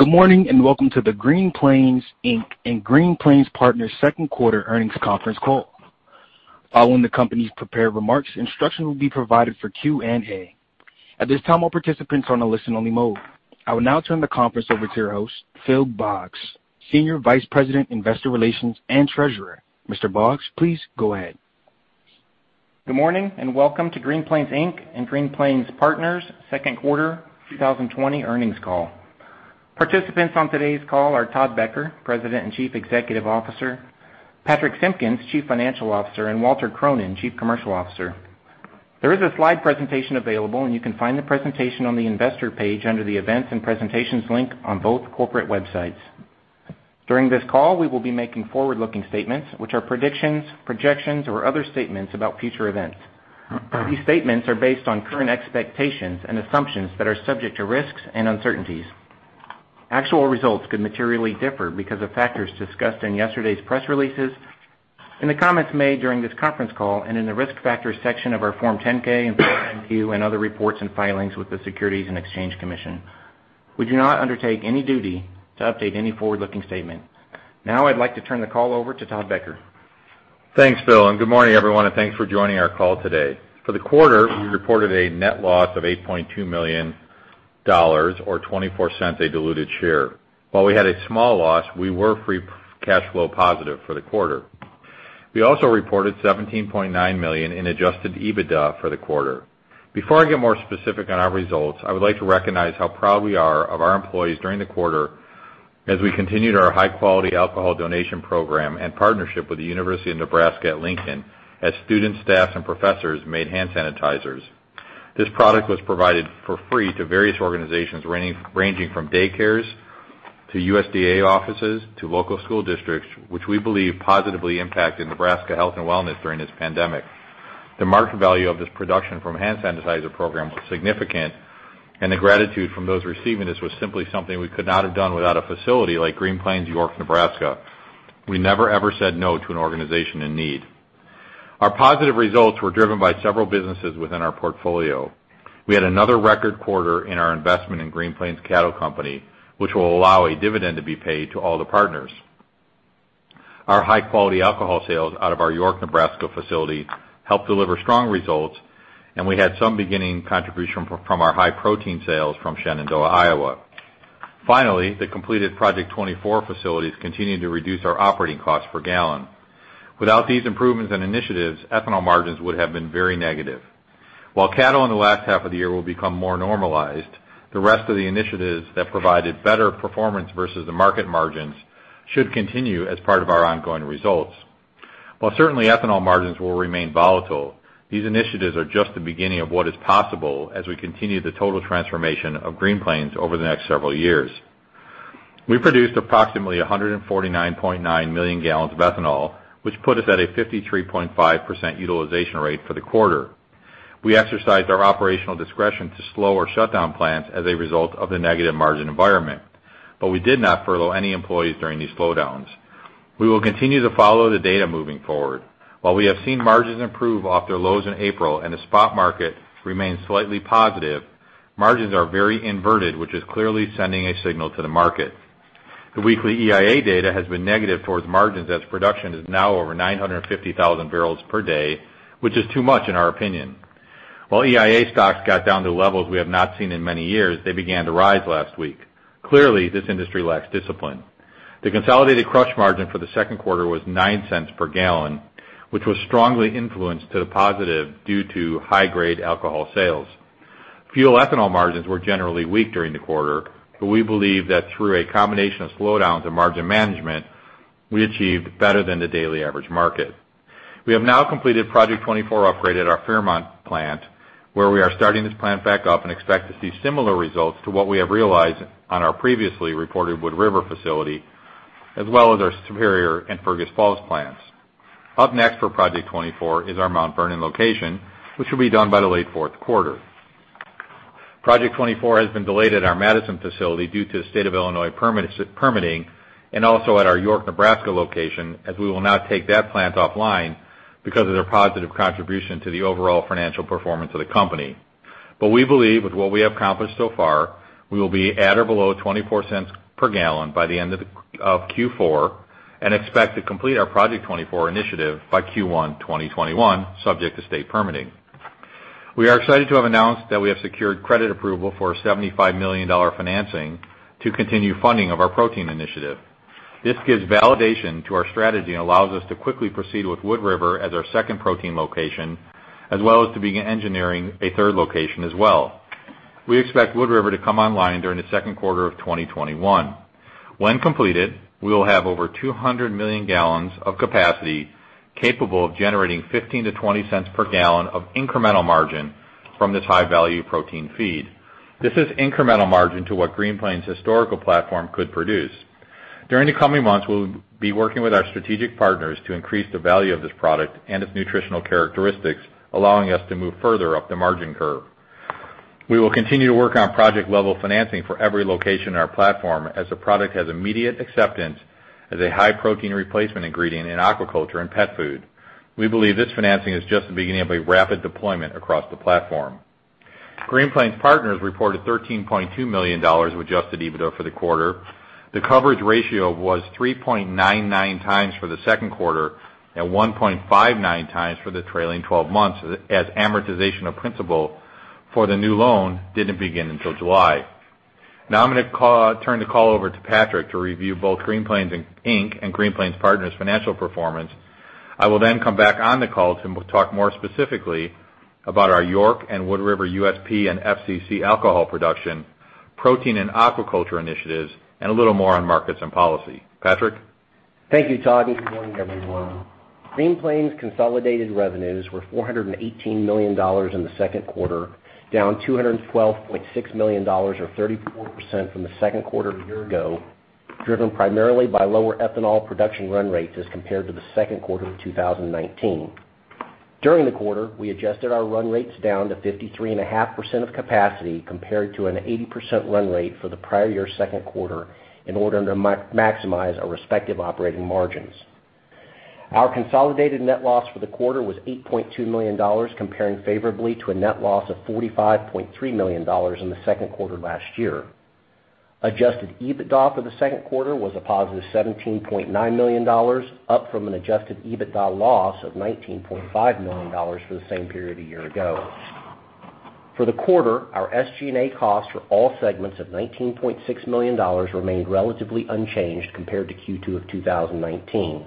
Good morning, and welcome to the Green Plains Inc. and Green Plains Partners Second Quarter Earnings Conference Call. Following the company's prepared remarks, instruction will be provided for Q&A. At this time, all participants are on a listen-only mode. I will now turn the conference over to your host, Phil Boggs, senior vice president, investor relations, and treasurer. Mr. Boggs, please go ahead. Good morning, and welcome to Green Plains Inc. and Green Plains Partners' second quarter 2020 earnings call. Participants on today's call are Todd Becker, President and Chief Executive Officer; Patrich Simpkins, Chief Financial Officer; and Walter Cronin, Chief Commercial Officer. There is a slide presentation available, and you can find the presentation on the investor page under the events and presentations link on both corporate websites. During this call, we will be making forward-looking statements, which are predictions, projections, or other statements about future events. These statements are based on current expectations and assumptions that are subject to risks and uncertainties. Actual results could materially differ because of factors discussed in yesterday's press releases, in the comments made during this conference call, and in the risk factors section of our Form 10-K and Form 10-Q and other reports and filings with the Securities and Exchange Commission. We do not undertake any duty to update any forward-looking statement. Now I'd like to turn the call over to Todd Becker. Thanks, Phil, and good morning, everyone, and thanks for joining our call today. For the quarter, we reported a net loss of $8.2 million, or $0.24 a diluted share. While we had a small loss, we were free cash flow positive for the quarter. We also reported $17.9 million in adjusted EBITDA for the quarter. Before I get more specific on our results, I would like to recognize how proud we are of our employees during the quarter as we continued our high-quality alcohol donation program and partnership with the University of Nebraska–Lincoln as students, staff, and professors made hand sanitizers. This product was provided for free to various organizations ranging from daycares to USDA offices to local school districts, which we believe positively impacted Nebraska health and wellness during this pandemic. The market value of this production from the hand sanitizer program was significant, and the gratitude from those receiving this was simply something we could not have done without a facility like Green Plains, York, Nebraska. We never, ever said no to an organization in need. Our positive results were driven by several businesses within our portfolio. We had another record quarter in our investment in Green Plains Cattle Company, which will allow a dividend to be paid to all the partners. Our high-quality alcohol sales out of our York, Nebraska, facility helped deliver strong results, and we had some beginning contribution from our high-protein sales from Shenandoah, Iowa. Finally, the completed Project 24 facilities continued to reduce our operating cost per gallon. Without these improvements and initiatives, ethanol margins would have been very negative. While cattle in the last half of the year will become more normalized, the rest of the initiatives that provided better performance versus the market margins should continue as part of our ongoing results. While certainly ethanol margins will remain volatile, these initiatives are just the beginning of what is possible as we continue the total transformation of Green Plains over the next several years. We produced approximately 149.9 million gallons of ethanol, which put us at a 53.5% utilization rate for the quarter. We exercised our operational discretion to slow or shut down plants as a result of the negative margin environment. We did not furlough any employees during these slowdowns. We will continue to follow the data moving forward. While we have seen margins improve off their lows in April and the spot market remain slightly positive, margins are very inverted, which is clearly sending a signal to the market. The weekly EIA data has been negative towards margins as production is now over 950,000 barrels per day, which is too much in our opinion. While EIA stocks got down to levels we have not seen in many years, they began to rise last week. Clearly, this industry lacks discipline. The consolidated crush margin for the second quarter was $0.09 per gallon, which was strongly influenced to the positive due to high-grade alcohol sales. Fuel ethanol margins were generally weak during the quarter, but we believe that through a combination of slowdowns and margin management, we achieved better than the daily average market. We have now completed the Project 24 upgrade at our Fairmont plant, where we are starting this plant back up and expect to see similar results to what we have realized on our previously reported Wood River facility, as well as our Superior and Fergus Falls plants. Up next for Project 24 is our Mount Vernon location, which will be done by the late fourth quarter. Project 24 has been delayed at our Madison facility due to the State of Illinois permitting and also at our York, Nebraska location, as we will not take that plant offline because of its positive contribution to the overall financial performance of the company. We believe with what we have accomplished so far, we will be at or below $0.24 per gallon by the end of Q4 and expect to complete our Project 24 initiative by Q1 2021, subject to state permitting. We are excited to have announced that we have secured credit approval for a $75 million financing to continue funding of our protein initiative. This gives validation to our strategy and allows us to quickly proceed with Wood River as our second protein location, as well as to begin engineering a third location as well. We expect Wood River to come online during the second quarter of 2021. When completed, we will have over 200 million gallons of capacity capable of generating $0.15-$0.20 per gallon of incremental margin from this high-value protein feed. This is incremental margin to what Green Plains' historical platform could produce. During the coming months, we'll be working with our strategic partners to increase the value of this product and its nutritional characteristics, allowing us to move further up the margin curve. We will continue to work on project-level financing for every location in our platform as the product has immediate acceptance. As a high-protein replacement ingredient in aquaculture and pet food. We believe this financing is just the beginning of a rapid deployment across the platform. Green Plains Partners reported $13.2 million of adjusted EBITDA for the quarter. The coverage ratio was 3.99x for the second quarter and 1.59x for the trailing 12 months, as amortization of principal for the new loan didn't begin until July. Now I'm going to turn the call over to Patrich to review both Green Plains Inc. and Green Plains Partners' financial performance. I will then come back on the call to talk more specifically about our York and Wood River USP and FCC alcohol production, protein and aquaculture initiatives, and a little more on markets and policy. Patrich? Thank you, Todd, and good morning, everyone. Green Plains' consolidated revenues were $418 million in the second quarter, down $212.6 million, or 34%, from the second quarter of a year ago, driven primarily by lower ethanol production run rates as compared to the second quarter of 2019. During the quarter, we adjusted our run rates down to 53.5% of capacity compared to an 80% run rate for the prior year's second quarter in order to maximize our respective operating margins. Our consolidated net loss for the quarter was $8.2 million, comparing favorably to a net loss of $45.3 million in the second quarter last year. Adjusted EBITDA for the second quarter was a positive $17.9 million, up from an adjusted EBITDA loss of $19.5 million for the same period a year ago. For the quarter, our SG&A costs for all segments of $19.6 million remained relatively unchanged compared to Q2 of 2019.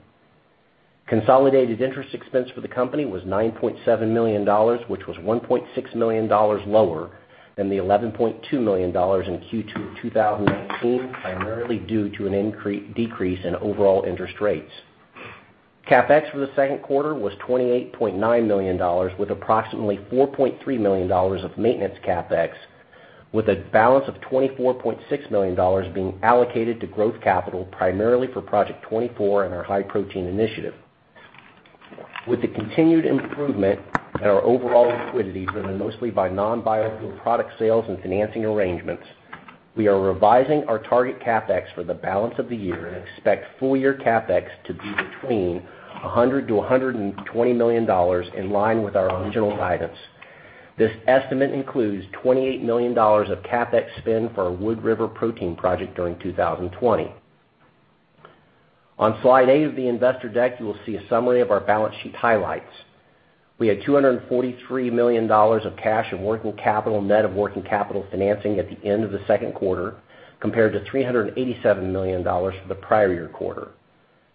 Consolidated interest expense for the company was $9.7 million, which was $1.6 million lower than the $11.2 million in Q2 of 2019, primarily due to a decrease in overall interest rates. CapEx for the second quarter was $28.9 million, with approximately $4.3 million of maintenance CapEx, with a balance of $24.6 million being allocated to growth capital, primarily for Project 24 and our high-protein initiative. With the continued improvement in our overall liquidity, driven mostly by non-biofuel product sales and financing arrangements, we are revising our target CapEx for the balance of the year and expect full-year CapEx to be between $100 million-$120 million, in line with our original guidance. This estimate includes $28 million of CapEx spend for our Wood River protein project during 2020. On slide eight of the investor deck, you will see a summary of our balance sheet highlights. We had $243 million of cash and working capital, net of working capital financing, at the end of the second quarter, compared to $387 million for the prior year quarter.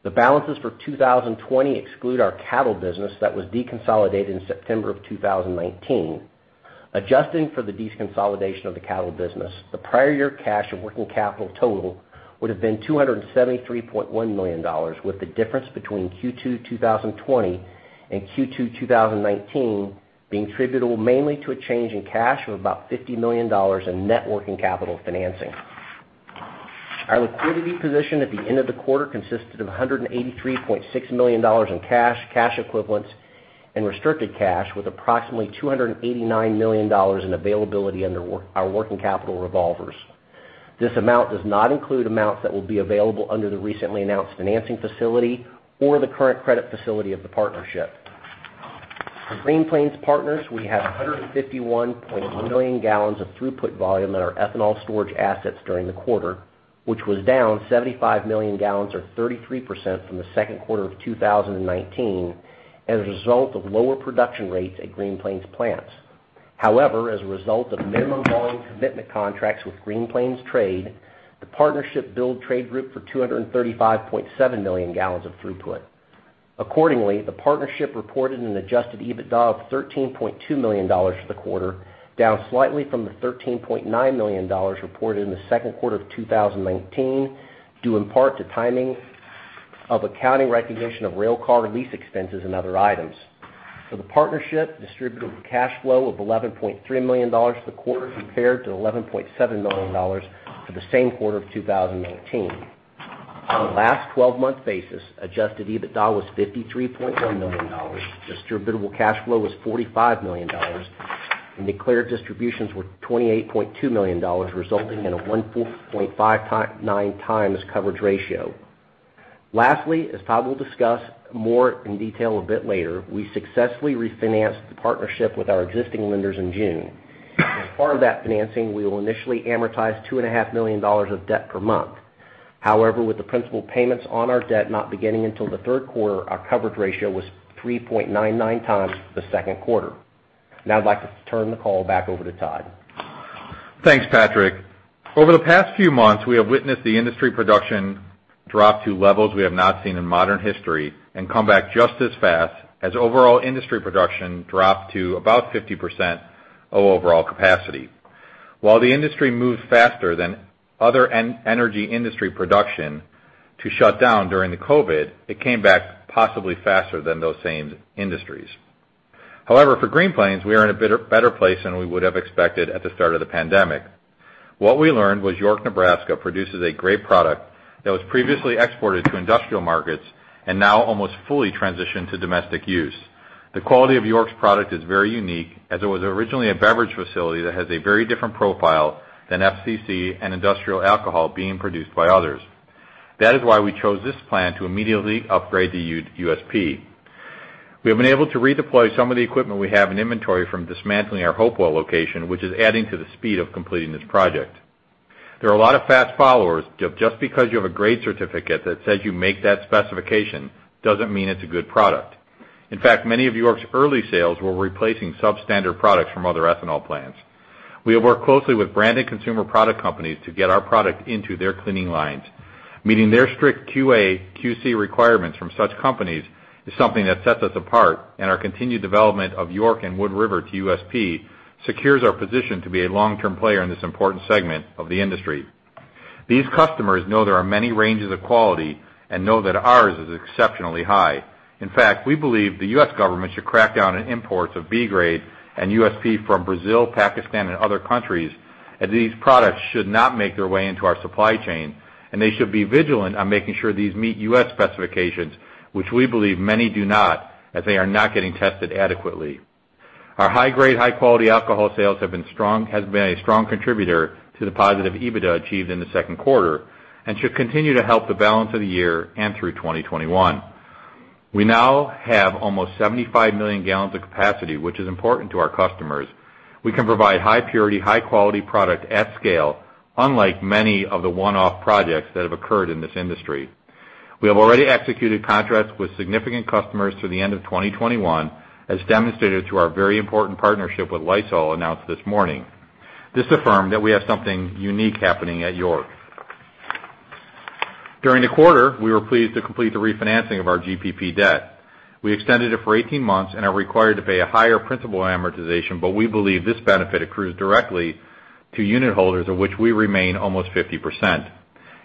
The balances for 2020 exclude our cattle business that was deconsolidated in September of 2019. Adjusting for the deconsolidation of the cattle business, the prior year's cash and working capital total would've been $273.1 million, with the difference between Q2 2020 and Q2 2019 being attributable mainly to a change in cash of about $50 million in net working capital financing. Our liquidity position at the end of the quarter consisted of $183.6 million in cash equivalents and restricted cash, with approximately $289 million in availability under our working capital revolvers. This amount does not include amounts that will be available under the recently announced financing facility or the current credit facility of the partnership. For Green Plains Partners, we had 151.1 million gallons of throughput volume at our ethanol storage assets during the quarter, which was down 75 million gallons or 33% from the second quarter of 2019 as a result of lower production rates at Green Plains plants. However, as a result of minimum volume commitment contracts with Green Plains Trade, the partnership billed Trade Group for 235.7 million gallons of throughput. Accordingly, the partnership reported an adjusted EBITDA of $13.2 million for the quarter, down slightly from the $13.9 million reported in the second quarter of 2019, due in part to the timing of accounting recognition of railcar lease expenses and other items. For the partnership, distributable cash flow was $11.3 million for the quarter compared to $11.7 million for the same quarter of 2019. On a last 12-month basis, adjusted EBITDA was $53.1 million, distributable cash flow was $45 million, and declared distributions were $28.2 million, resulting in a 1.59x coverage ratio. Lastly, as Todd will discuss more in detail a bit later, we successfully refinanced the partnership with our existing lenders in June. As part of that financing, we will initially amortize $2.5 million of debt per month. With the principal payments on our debt not beginning until the third quarter, our coverage ratio was 3.99x the second quarter. I'd like to turn the call back over to Todd. Thanks, Patrich. Over the past few months, we have witnessed the industry production drop to levels we have not seen in modern history and come back just as fast as overall industry production dropped to about 50% of overall capacity. While the industry moved faster than other energy industry production to shut down during COVID, it came back possibly faster than those same industries. However, for Green Plains, we are in a better place than we would have expected at the start of the pandemic. What we learned was York, Nebraska, produces a great product that was previously exported to industrial markets and now has almost fully transitioned to domestic use. The quality of York's product is very unique, as it was originally a beverage facility that has a very different profile than FCC and industrial alcohol being produced by others. That is why we chose this plant to immediately upgrade to USP. We have been able to redeploy some of the equipment we have in inventory from dismantling our Hopewell location, which is adding to the speed of completing this project. There are a lot of fast followers. Just because you have a grade certificate that says you make that specification doesn't mean it's a good product. In fact, many of York's early sales were replacing substandard products from other ethanol plants. We have worked closely with branded consumer product companies to get our product into their cleaning lines. Meeting their strict QA/QC requirements from such companies is something that sets us apart, and our continued development of York and Wood River to USP secures our position to be a long-term player in this important segment of the industry. These customers know there are many ranges of quality and know that ours is exceptionally high. In fact, we believe the U.S. government should crack down on imports of B-grade and USP from Brazil, Pakistan, and other countries, as these products should not make their way into our supply chain, and they should be vigilant on making sure these meet U.S. specifications, which we believe many do not, as they are not getting tested adequately. Our high-grade, high-quality alcohol sales have been a strong contributor to the positive EBITDA achieved in the second quarter and should continue to help the balance of the year and through 2021. We now have almost 75 million gallons of capacity, which is important to our customers. We can provide a high-purity, high-quality product at scale, unlike many of the one-off projects that have occurred in this industry. We have already executed contracts with significant customers through the end of 2021, as demonstrated through our very important partnership with Lysol announced this morning. This affirmed that we have something unique happening at York. During the quarter, we were pleased to complete the refinancing of our GPP debt. We extended it for 18 months and are required to pay a higher principal amortization, but we believe this benefit accrues directly to unit holders, of whom we remain almost 50%.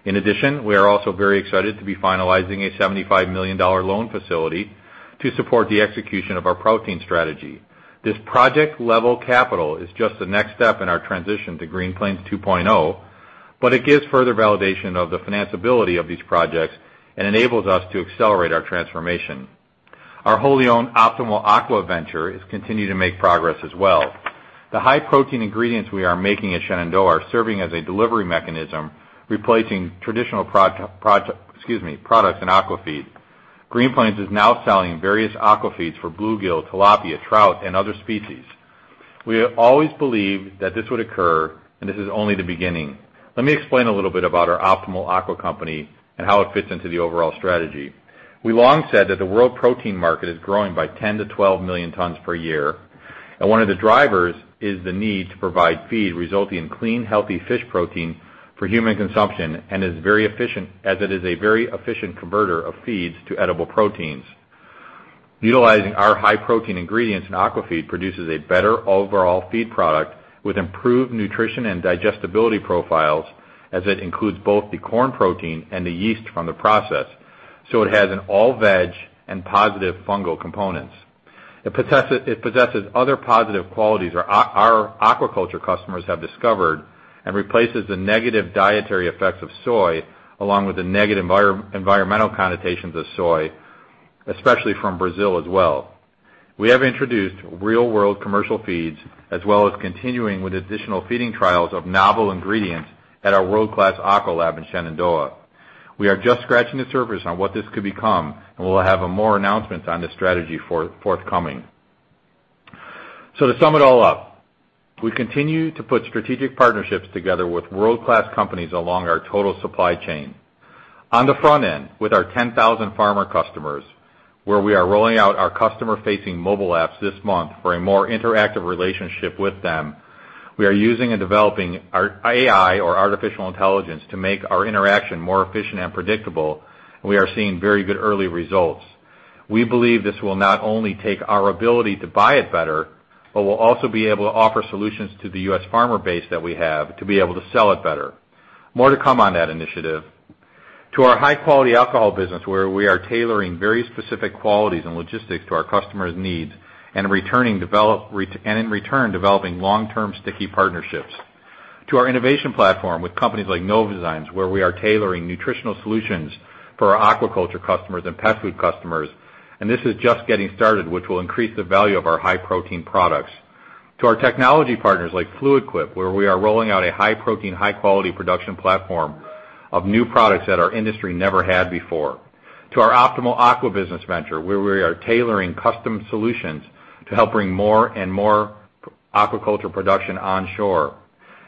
In addition, we are also very excited to be finalizing a $75 million loan facility to support the execution of our protein strategy. This project-level capital is just the next step in our transition to Green Plains 2.0, but it gives further validation of the financability of these projects and enables us to accelerate our transformation. Our wholly owned Optimal Aquafeed is continuing to make progress as well. The high-protein ingredients we are making at Shenandoah are serving as a delivery mechanism, replacing traditional products in aqua feed. Green Plains is now selling various aqua feeds for bluegill, tilapia, trout, and other species. We have always believed that this would occur, and this is only the beginning. Let me explain a little bit about our Optimal Aqua company and how it fits into the overall strategy. We long said that the world protein market is growing by 10-12 million tons per year, and one of the drivers is the need to provide feed, resulting in clean, healthy fish protein for human consumption, as it is a very efficient converter of feed to edible proteins. Utilizing our high-protein ingredients in aqua feed produces a better overall feed product with improved nutrition and digestibility profiles, as it includes both the corn protein and the yeast from the process. It has all veg and positive fungal components. It possesses other positive qualities our aquaculture customers have discovered and replaces the negative dietary effects of soy along with the negative environmental connotations of soy, especially from Brazil as well. We have introduced real-world commercial feeds as well as continued with additional feeding trials of novel ingredients at our world-class aqua lab in Shenandoah. We are just scratching the surface on what this could become, and we'll have more announcements on this strategy forthcoming. To sum it all up, we continue to put strategic partnerships together with world-class companies along our total supply chain. On the front end, we have our 10,000 farmer customers, for whom we are rolling out our customer-facing mobile apps this month for a more interactive relationship with them. We are using and developing AI, or artificial intelligence, to make our interaction more efficient and predictable, and we are seeing very good early results. We believe this will not only take our ability to buy it better, but we'll also be able to offer solutions to the U.S. farmer base so that we have to be able to sell it better. More to come on that initiative. To our high-quality alcohol business, where we are tailoring very specific qualities and logistics to our customers' needs and in return developing long-term sticky partnerships. To our innovation platform with companies like Novozymes, where we are tailoring nutritional solutions for our aquaculture customers and pet food customers, and this is just getting started, which will increase the value of our high-protein products. To our technology partners like Fluid Quip, where we are rolling out a high-protein, high-quality production platform of new products that our industry never had before. To our Optimal Aqua business venture, where we are tailoring custom solutions to help bring more and more aquaculture production onshore.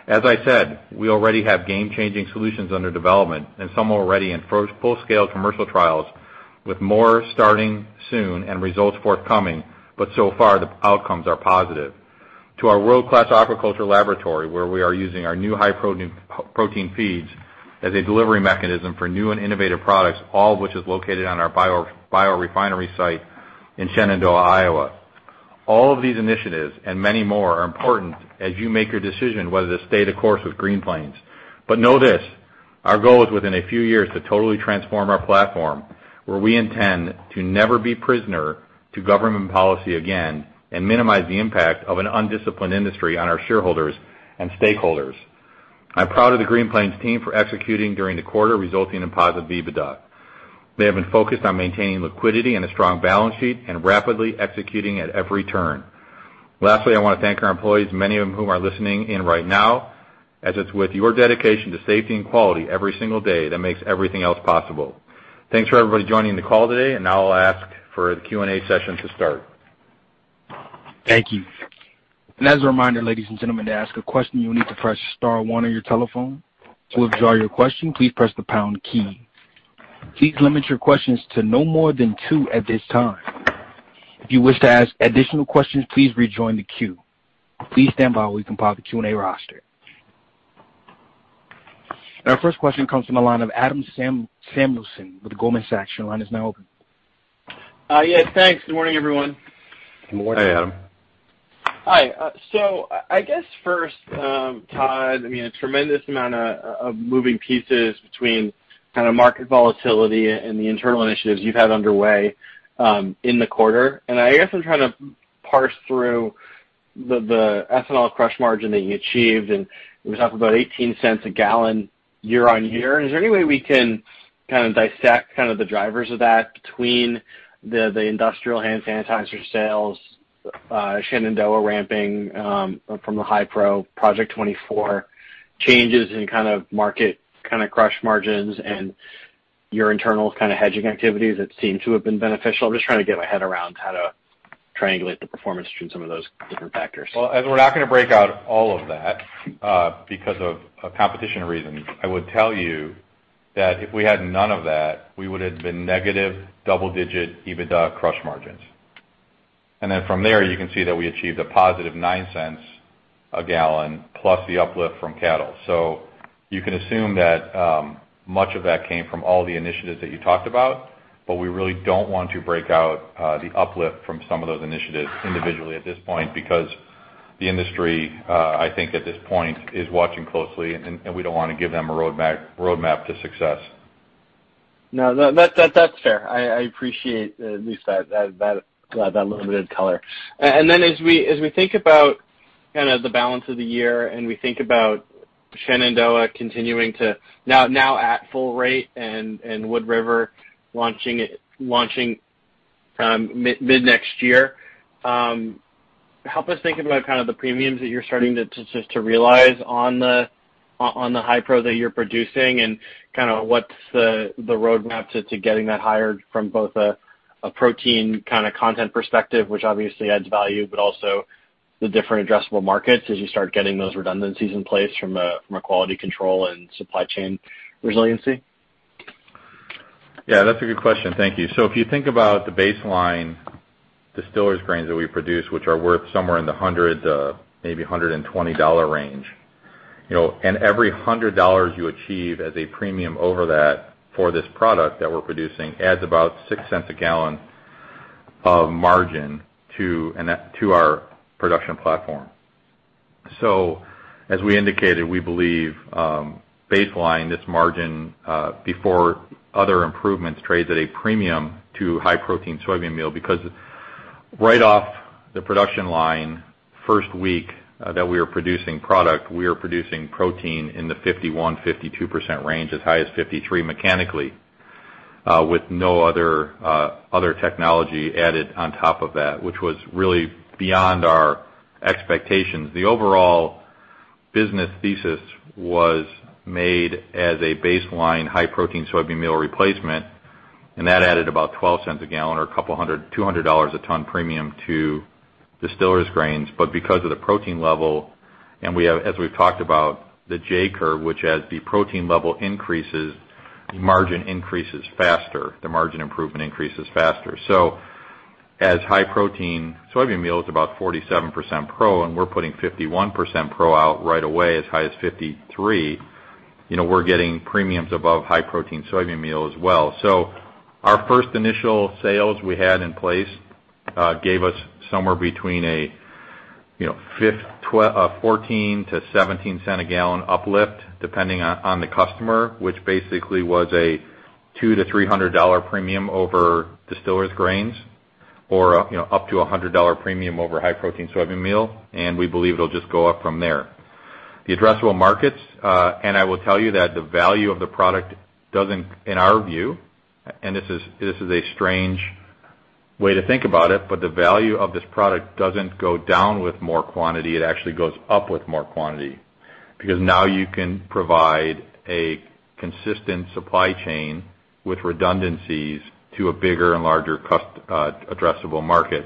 As I said, we already have game-changing solutions under development, and some are already in full-scale commercial trials with more starting soon and results forthcoming, but so far the outcomes are positive. To our world-class aquaculture laboratory, where we are using our new high-protein feeds as a delivery mechanism for new and innovative products, all of which are located on our biorefinery site in Shenandoah, Iowa. All of these initiatives and many more are important as you make your decision whether to stay the course with Green Plains. Know this: our goal is, within a few years, to totally transform our platform where we intend to never be prisoners to government policy again and minimize the impact of an undisciplined industry on our shareholders and stakeholders. I'm proud of the Green Plains team for executing during the quarter, resulting in positive EBITDA. They have been focused on maintaining liquidity and a strong balance sheet and rapidly executing at every turn. Lastly, I want to thank our employees, many of whom are listening in right now, as it's with your dedication to safety and quality every single day that makes everything else possible. Thanks for everybody joining the call today. Now I'll ask for the Q&A session to start. Thank you. As a reminder, ladies and gentlemen, to ask a question, you will need to press star one on your telephone. To withdraw your question, please press the pound key. Please limit your questions to no more than two at this time. If you wish to ask additional questions, please rejoin the queue. Please stand by while we compile the Q&A roster. Our first question comes from the line of Adam Samuelson with Goldman Sachs. Your line is now open. Yes, thanks. Good morning, everyone. Good morning, Adam. Hi. I guess first, Todd, there's a tremendous amount of moving pieces between kind of market volatility and the internal initiatives you've had underway in the quarter. I guess I'm trying to parse through the ethanol crush margin that you achieved, and it was up about $0.18 a gallon year-on-year. Is there any way we can kind of dissect the drivers of that between the industrial hand sanitizer sales, Shenandoah ramping from the Hi-Pro Project 24, changes in market crush margins, and your internal hedging activities that seem to have been beneficial? I'm just trying to get my head around how to triangulate the performance between some of those different factors. Well, as we're not going to break out all of that because of competition reasons, I would tell you that if we had none of that, we would have had negative double-digit EBITDA crush margins. From there, you can see that we achieved a positive $0.09 a gallon plus the uplift from cattle. You can assume that much of that came from all the initiatives that you talked about, but we really don't want to break out the uplift from some of those initiatives individually at this point, because the industry, I think at this point, is watching closely, and we don't want to give them a roadmap to success. No, that's fair. I appreciate at least that limited color. As we think about kind of the balance of the year and we think about Shenandoah continuing to operate at full rate and Wood River launching mid-next year, help us think about kind of the premiums that you're starting just to realize on the Hi-Pro that you're producing and kind of what's the roadmap to getting that higher from both a protein kind of content perspective, which obviously adds value, but also the different addressable markets as you start getting those redundancies in place from a quality control and supply chain resiliency. Yeah, that's a good question. Thank you. If you think about the baseline distillers' grains that we produce, which are worth somewhere in the $100 to maybe $120 range, and every $100 you achieve as a premium over that for this product that we're producing adds about $0.06 a gallon of margin to our production platform. As we indicated, we believe baseline, this margin, before other improvements, trades at a premium to high-protein soybean meal because right off the production line, first week that we are producing product, we are producing protein in the 51%, 52% range, as high as 53% mechanically, with no other technology added on top of that, which was really beyond our expectations. The overall business thesis was made as a baseline high-protein soybean meal replacement. That added about $0.12 a gallon or a couple of hundred, a $200 a ton premium, to distillers grains. Because of the protein level and as we've talked about, the J-curve, where as the protein level increases, the margin increases faster, the margin improvement increases faster. As high-protein soybean meal is about 47% pro, and we're putting 51% pro out right away, as high as 53%, we're getting premiums above high-protein soybean meal as well. Our first initial sales we had in place gave us somewhere between a $0.14-$0.17 a gallon uplift depending on the customer, which basically was a $200-$300 premium over distillers grains or up to a $100 premium over high-protein soybean meal. We believe it'll just go up from there. The addressable markets, and I will tell you that the value of the product doesn't, in our view, and this is a strange way to think about it, but the value of this product doesn't go down with more quantity. It actually goes up with more quantity. Now you can provide a consistent supply chain with redundancies to a bigger and larger addressable market.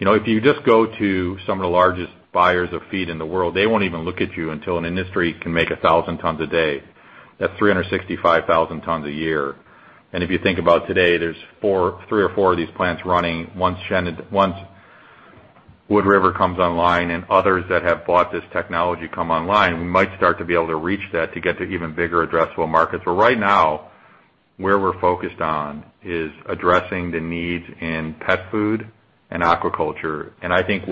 If you just go to some of the largest buyers of feed in the world, they won't even look at you until an industry can make 1,000 tons a day. That's 365,000 tons a year. If you think about today, there are three or four of these plants running. Once Wood River comes online and others that have bought this technology come online, we might start to be able to reach that to get to even bigger addressable markets. Right now, what we're focused on is addressing the needs in pet food and aquaculture. I think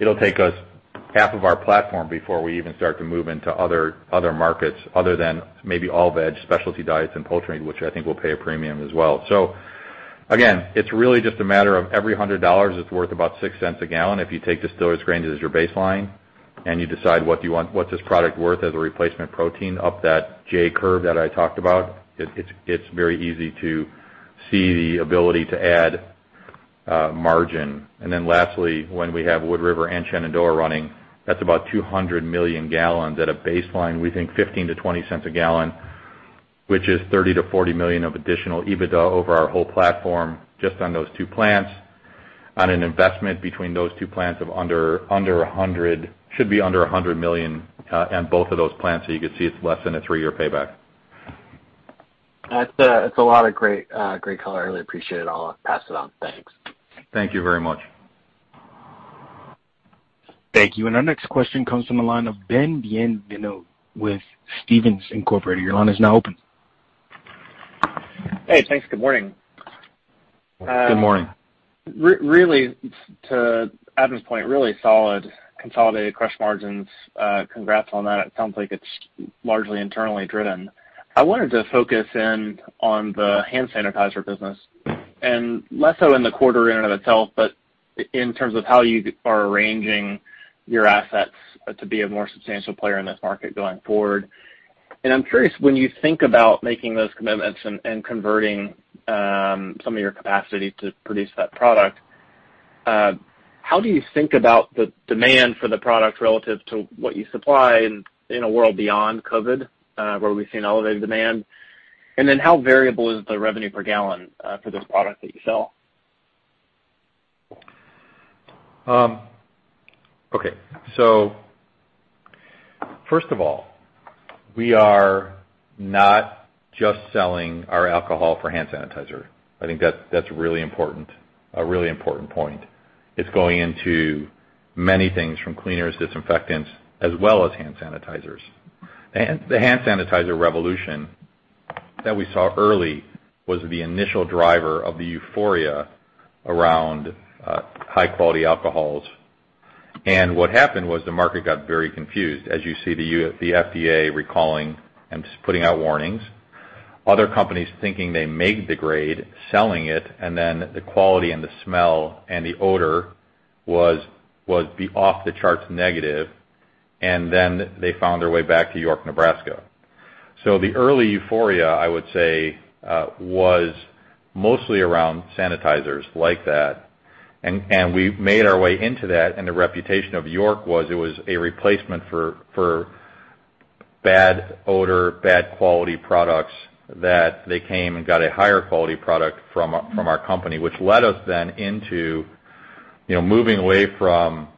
it'll take us half of our platform before we even start to move into other markets other than maybe all veg specialty diets and poultry, which I think will pay a premium as well. Again, it's really just a matter of every $100 being worth about $0.06 a gallon. If you take distillers grains as your baseline and you decide what this product is worth as a replacement protein up that J-curve that I talked about, it's very easy to see the ability to add margin. Lastly, when we have Wood River and Shenandoah running, that's about 200 million gallons at a baseline; we think $0.15-$0.20 a gallon, which is $30 million-$40 million of additional EBITDA over our whole platform just on those two plants. An investment between those two plants should be under $100 million for both of those plants. You could see it's less than a three-year payback. That's a lot of great color. I really appreciate it. I'll pass it on. Thanks. Thank you very much. Thank you. Our next question comes from the line of Ben Bienvenu with Stephens Inc. Your line is now open. Hey, thanks. Good morning. Good morning. Really, to Adam's point, really solid consolidated crush margins. Congrats on that. It sounds like it's largely internally driven. I wanted to focus on the hand sanitizer business, less so in the quarter in and of itself, but in terms of how you are arranging your assets to be a more substantial player in this market going forward. I'm curious, when you think about making those commitments and converting some of your capacity to produce that product, how do you think about the demand for the product relative to what you supply in a world beyond COVID, where we've seen elevated demand? How variable is the revenue per gallon for this product that you sell? First of all, we are not just selling our alcohol for hand sanitizer. I think that's a really important point. It's going into many things, from cleaners and disinfectants to hand sanitizers. The hand sanitizer revolution that we saw early was the initial driver of the euphoria around high-quality alcohols. What happened was the market got very confused, as you see the FDA recalling and putting out warnings. Other companies were thinking they made the grade, selling it, and then the quality and the smell and the wear were off the charts negative, and then they found their way back to York, Nebraska. The early euphoria, I would say, was mostly around sanitizers like that. We made our way into that, and the reputation of York was that it was a replacement for bad odor and bad-quality products, so they came and got a higher-quality product from our company. Led us then into moving away from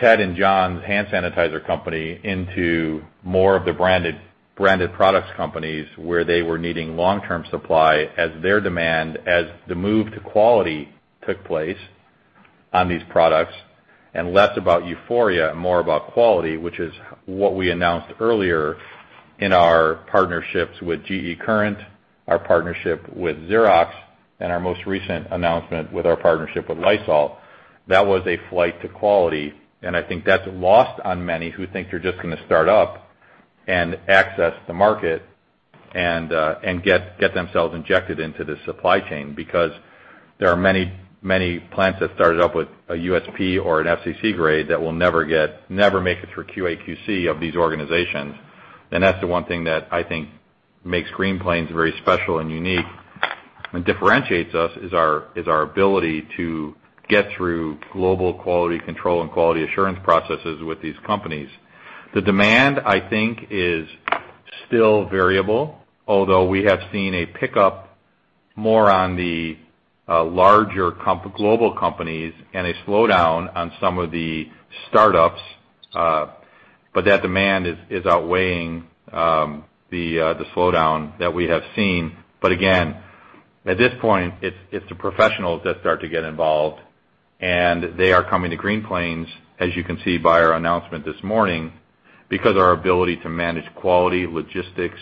Ted and John's hand sanitizer company into more of the branded products companies, where they were needing long-term supply as their demand grew as the move to quality took place on these products, and less about euphoria and more about quality, which is what we announced earlier in our partnerships with GE Current, our partnership with Xerox, and our most recent announcement with our partnership with Lysol. That was a flight to quality, and I think that's lost on many who think they're just going to start up and access the market and get themselves injected into the supply chain. There are many plants that started up with a USP or an FCC grade that will never make it through the QA/QC of these organizations. That's the one thing that I think makes Green Plains very special and unique and differentiates us: our ability to get through global quality control and quality assurance processes with these companies. The demand, I think, is still variable, although we have seen a pickup more on the larger global companies and a slowdown on some of the startups. That demand is outweighing the slowdown that we have seen. Again, at this point, it's the professionals that start to get involved, and they are coming to Green Plains, as you can see by our announcement this morning, because of our ability to manage quality and logistics,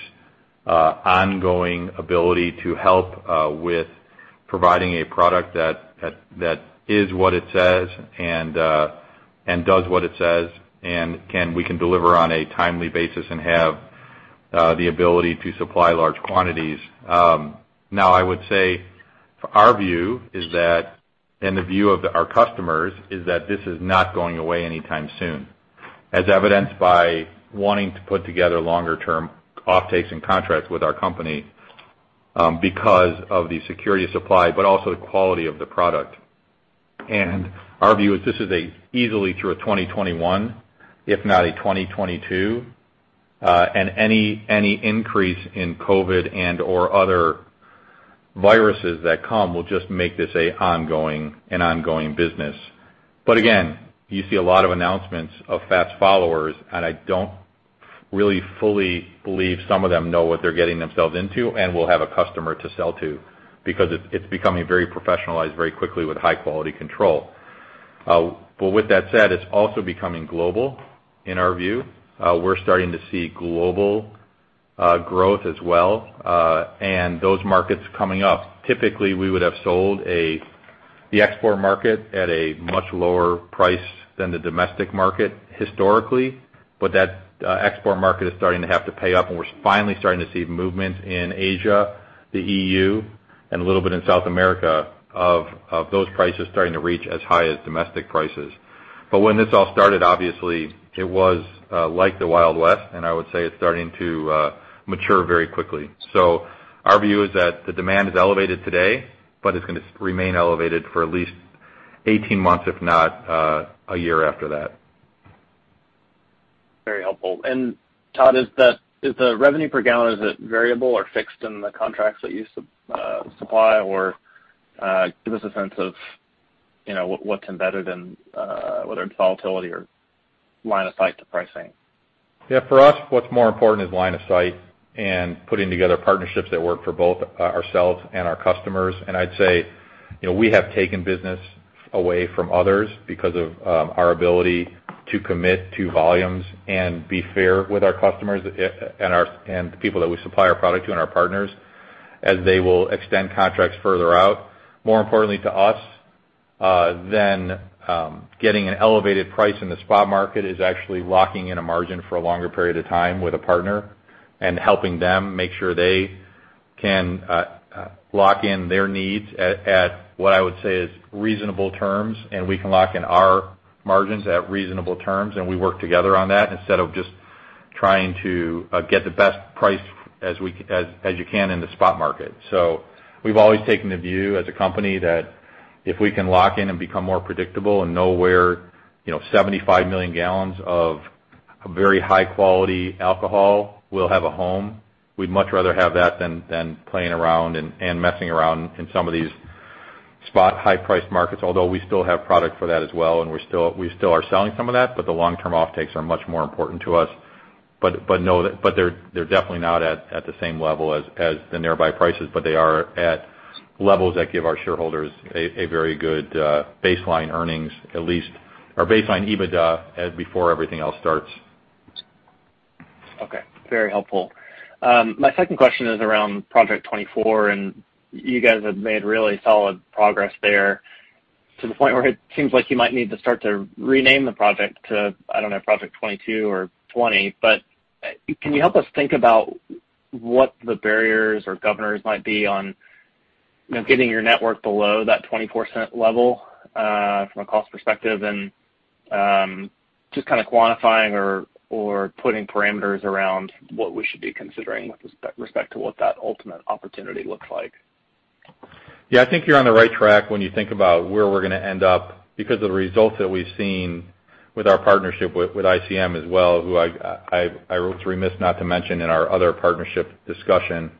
our ongoing ability to help with providing a product that is what it says and does what it says, and our ability to deliver on a timely basis and supply large quantities. I would say our view, and the view of our customers, is that this is not going away anytime soon, as evidenced by wanting to put together longer-term off-takes and contracts with our company because of the security of supply but also the quality of the product. Our view is this is easily through 2021, if not 2022. Any increase in COVID and/or other viruses that come will just make this an ongoing business. Again, you see a lot of announcements of fast followers, and I don't really fully believe some of them know what they're getting themselves into and will have a customer to sell to, because it's becoming very professionalized very quickly with high-quality control. With that said, it's also becoming global in our view. We're starting to see global growth as well. Those markets coming up, typically we would have sold the export market at a much lower price than the domestic market historically; that export market is starting to have to pay up. We're finally starting to see movements in Asia, the EU, and a little bit in South America of those prices starting to reach as high as domestic prices. When this all started, obviously, it was like the Wild West; I would say it's starting to mature very quickly. Our view is that the demand is elevated today, but it's going to remain elevated for at least 18 months, if not a year after that. Very helpful. Todd, is the revenue per gallon variable or fixed in the contracts that you supply? Or give us a sense of what's embedded in it, whether it's volatility or line of sight to pricing. Yeah, for us, what's more important is line of sight and putting together partnerships that work for both ourselves and our customers. I'd say we have taken business away from others because of our ability to commit to volumes and be fair with our customers and the people that we supply our product to and our partners, as they will extend contracts further out. More importantly to us than getting an elevated price in the spot market is actually locking in a margin for a longer period of time with a partner and helping them make sure they can lock in their needs at what I would say are reasonable terms, and we can lock in our margins at reasonable terms, and we work together on that instead of just trying to get the best price you can in the spot market. We've always taken the view as a company that if we can lock in and become more predictable and know where 75 million gallons of very high-quality alcohol will have a home, we'd much rather have that than playing around and messing around in some of these spot, high-priced markets. Although we still have product for that as well, and we are still selling some of that, the long-term offtakes are much more important to us. They're definitely not at the same level as the nearby prices, but they are at levels that give our shareholders a very good baseline earnings at least, or baseline EBITDA, before everything else starts. Okay. Very helpful. My second question is around Project 24. You guys have made really solid progress there to the point where it seems like you might need to start to rename the project to, I don't know, Project 22 or 20. Can you help us think about what the barriers or governors might be on getting your network below that $0.24 level from a cost perspective and just kind of quantifying or putting parameters around what we should be considering with respect to what that ultimate opportunity looks like? I think you're on the right track when you think about where we're going to end up because of the results that we've seen with our partnership with ICM as well, who I was remiss not to mention in our other partnership discussion and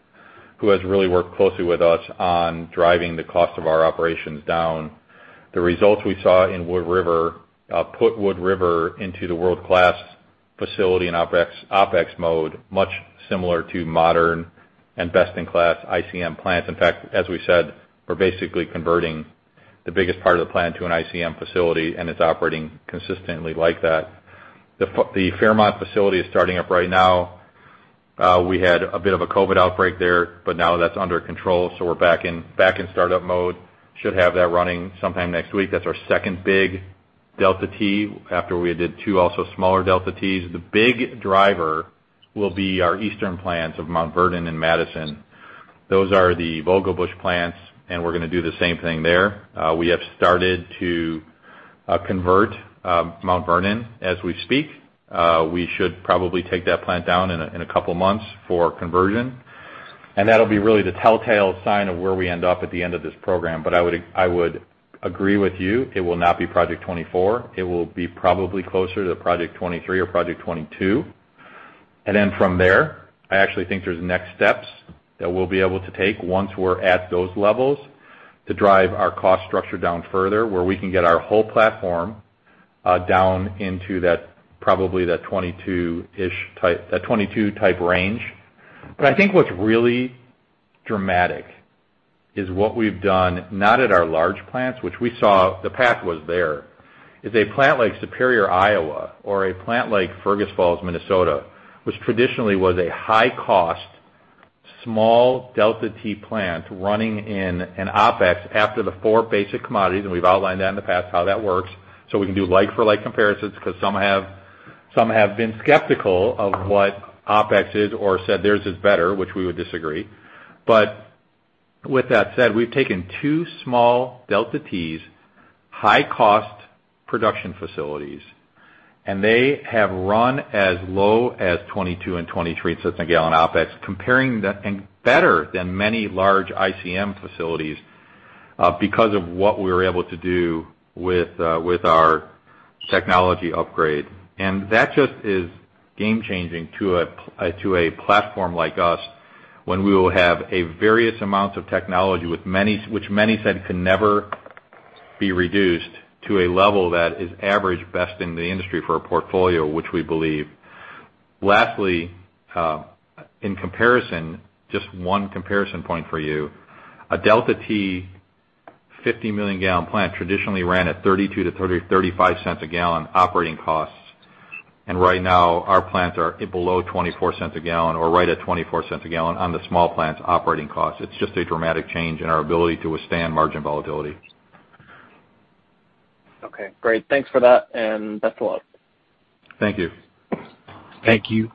who has really worked closely with us on driving the cost of our operations down. The results we saw in Wood River put Wood River into world-class facility and OPEX Mode, much like modern and best-in-class ICM plants. In fact, as we said, we're basically converting the biggest part of the plant to an ICM facility, and it's operating consistently like that. The Fairmont facility is starting up right now. We had a bit of a COVID outbreak there, but now that's under control, so we're back in startup mode. We should have that running sometime next week. That's our second big Delta-T after we did two also smaller Delta-T's. The big driver will be our eastern plants of Mount Vernon and Madison. Those are the Vogelbusch plants. We're going to do the same thing there. We have started to convert Mount Vernon as we speak. We should probably take that plant down in a couple of months for conversion. That'll be really the telltale sign of where we end up at the end of this program. I would agree with you; it will not be Project 24. It will be probably closer to Project 23 or Project 22. From there, I actually think there are next steps that we'll be able to take once we're at those levels to drive our cost structure down further, where we can get our whole platform down into probably that 22 type range. I think what's really dramatic is what we've done, not at our large plants, for which we saw the path was there. If a plant like Superior, Iowa, or a plant like Fergus Falls, Minnesota, which traditionally was a high-cost, small Delta-T plant running in OPEX after the four basic commodities, and we've outlined that in the past, how that works, so we can do like-for-like comparisons because some have been skeptical of what OPEX is or said theirs is better, which we would disagree with. With that said, we've taken two small Delta-T, high-cost production facilities, and they have run as low as $0.22 and $0.23 a gallon OPEX, comparing favorably and better than many large ICM facilities because of what we were able to do with our technology upgrade. That is just game-changing to a platform like us when we have various amounts of technology, which many said could never be reduced to a level that is the average best in the industry for a portfolio, which we believe. Lastly, in comparison, just one comparison point for you. A Delta-T 50-million-gallon plant traditionally ran at $0.32 to $0.35 a gallon in operating costs. Right now, our plants are below $0.24 a gallon or right at $0.24 a gallon on the small plants' operating costs. It's just a dramatic change in our ability to withstand margin volatility. Okay, great. Thanks for that, and best of luck. Thank you. Thank you.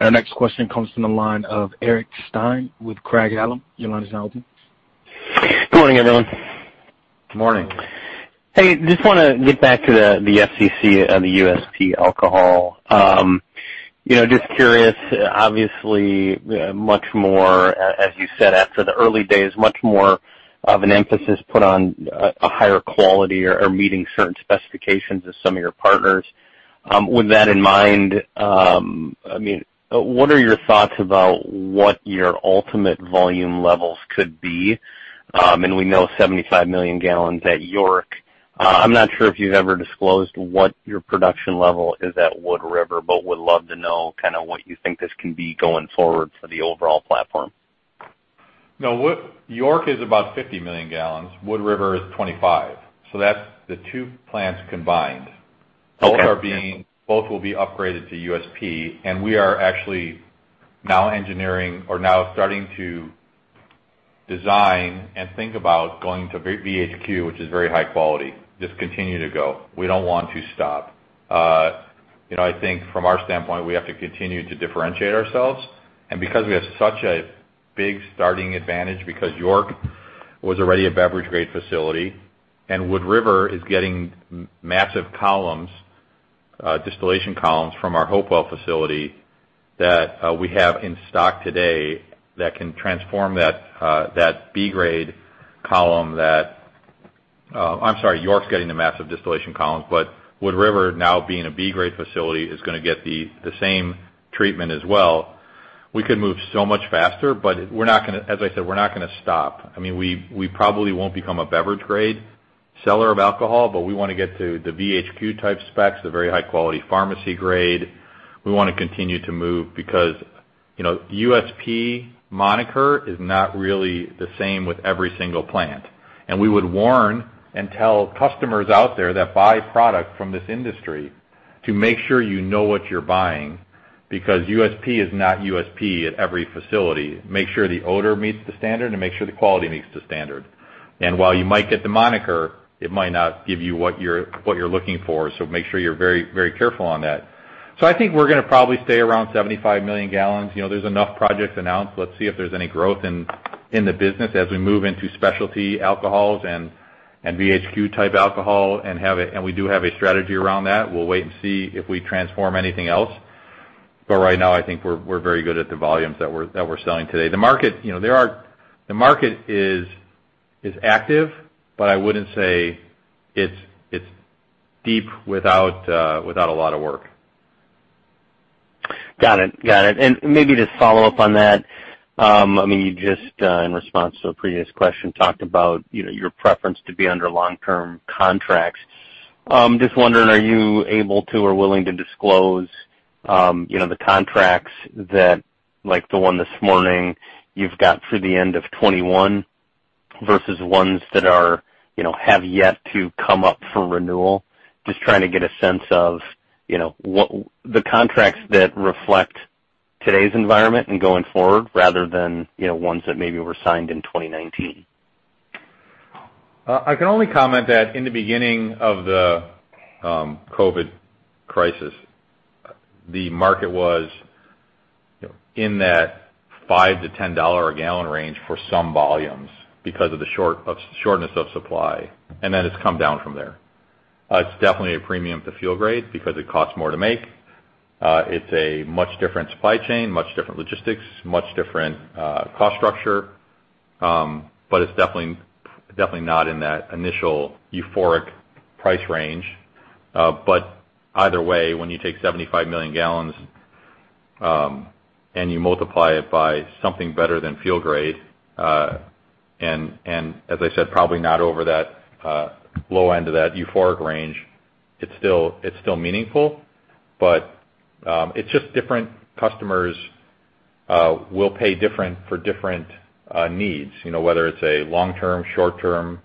Our next question comes from the line of Eric Stine with Craig-Hallum. Your line is now open. Good morning, everyone. Morning. Hey, I just want to get back to the FCC and the USP alcohol. Just curious, obviously, much more, as you said, after the early days, much more of an emphasis is put on a higher quality or meeting certain specifications by some of your partners. With that in mind, what are your thoughts about what your ultimate volume levels could be? We know 75 million gallons at York. I'm not sure if you've ever disclosed what your production level is at Wood River, but I would love to know kind of what you think this can be going forward for the overall platform. No. York is about 50 million gallons. Wood River is 25. That's the two plants combined. Okay. Both will be upgraded to USP, and we are actually now engineering or now starting to design and think about going to VHQ, which is Very High Quality. Just continue to go. We don't want to stop. I think from our standpoint, we have to continue to differentiate ourselves. Because we have such a big starting advantage because York was already a beverage-grade facility and Wood River is getting massive columns, distillation columns from our Hopewell facility that we have in stock today that can transform that B-grade column, I'm sorry, York is getting the massive distillation columns, but Wood River, now being a B-grade facility, is going to get the same treatment as well. We could move so much faster, but as I said, we're not going to stop. We probably won't become a beverage-grade seller of alcohol, but we want to get to the VHQ type specs, the very high-quality pharmacy grade. We want to continue to move because the USP moniker is not really the same with every single plant. We would warn and tell customers out there that buy products from this industry to make sure you know what you're buying, because USP is not USP at every facility. Make sure the odor meets the standard and make sure the quality meets the standard. While you might get the moniker, it might not give you what you're looking for; make sure you're very careful on that. I think we're going to probably stay around 75 million gallons. There are enough projects announced. Let's see if there's any growth in the business as we move into specialty alcohols and VHQ-type alcohol, and we do have a strategy around that. We'll wait and see if we transform anything else. Right now, I think we're very good at the volumes that we're selling today. The market is active, but I wouldn't say it's deep without a lot of work. Got it. Maybe just follow up on that. You just, in response to a previous question, talked about your preference to be under long-term contracts. Just wondering, are you able to or willing to disclose the contracts that, like the one this morning, you've got through the end of 2021 versus ones that have yet to come up for renewal? Just trying to get a sense of the contracts that reflect today's environment and going forward rather than ones that maybe were signed in 2019. I can only comment that in the beginning of the COVID crisis, the market was in that $5-$10 a gallon range for some volumes because of the shortness of supply, and then it's come down from there. It's definitely a premium to fuel grade because it costs more to make. It's a much different supply chain, much different logistics, and much different cost structure. It's definitely not in that initial euphoric price range. Either way, when you take 75 million gallons and you multiply it by something better than fuel grade, and as I said, probably not over that low end of that euphoric range, it's still meaningful. It's just different customers will pay different amounts for different needs, whether it's long-term versus short-term,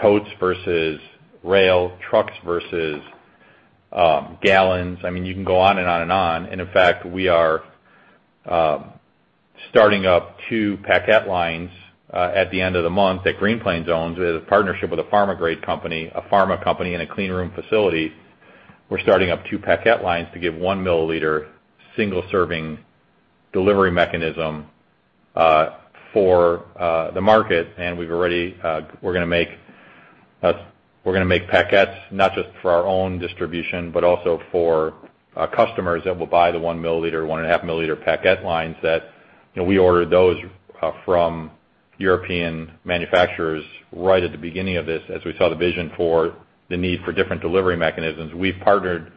totes versus rail, or trucks versus gallons. You can go on and on and on. In fact, we are starting up two packet lines at the end of the month that Green Plains owns. We have a partnership with a pharma-grade company, a pharma company in a clean room facility. We're starting up two packet lines to give a one-milliliter single-serving delivery mechanism for the market, and we're going to make packets not just for our own distribution but also for customers that will buy the one-milliliter and one-and-a-half-milliliter packet lines that we ordered from European manufacturers right at the beginning of this, as we saw the vision for the need for different delivery mechanisms. We've partnered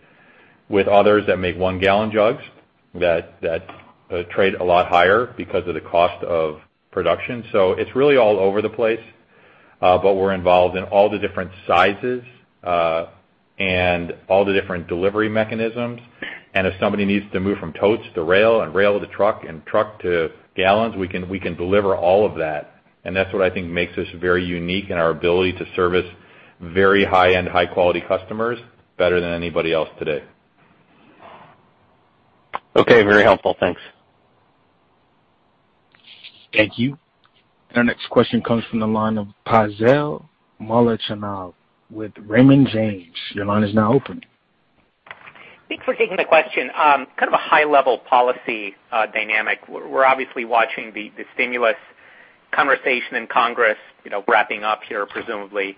with others that make one-gallon jugs that trade a lot higher because of the cost of production. It's really all over the place. We're involved in all the different sizes and all the different delivery mechanisms. If somebody needs to move from totes to rail and rail to truck and truck to gallons, we can deliver all of that. That's what I think makes us very unique in our ability to service very high-end, high-quality customers better than anybody else today. Okay. Very helpful. Thanks. Thank you. Our next question comes from the line of Pavel Molchanov with Raymond James. Your line is now open. Thanks for taking the question. Kind of a high-level policy dynamic. We're obviously watching the stimulus conversation in Congress wrapping up here, presumably.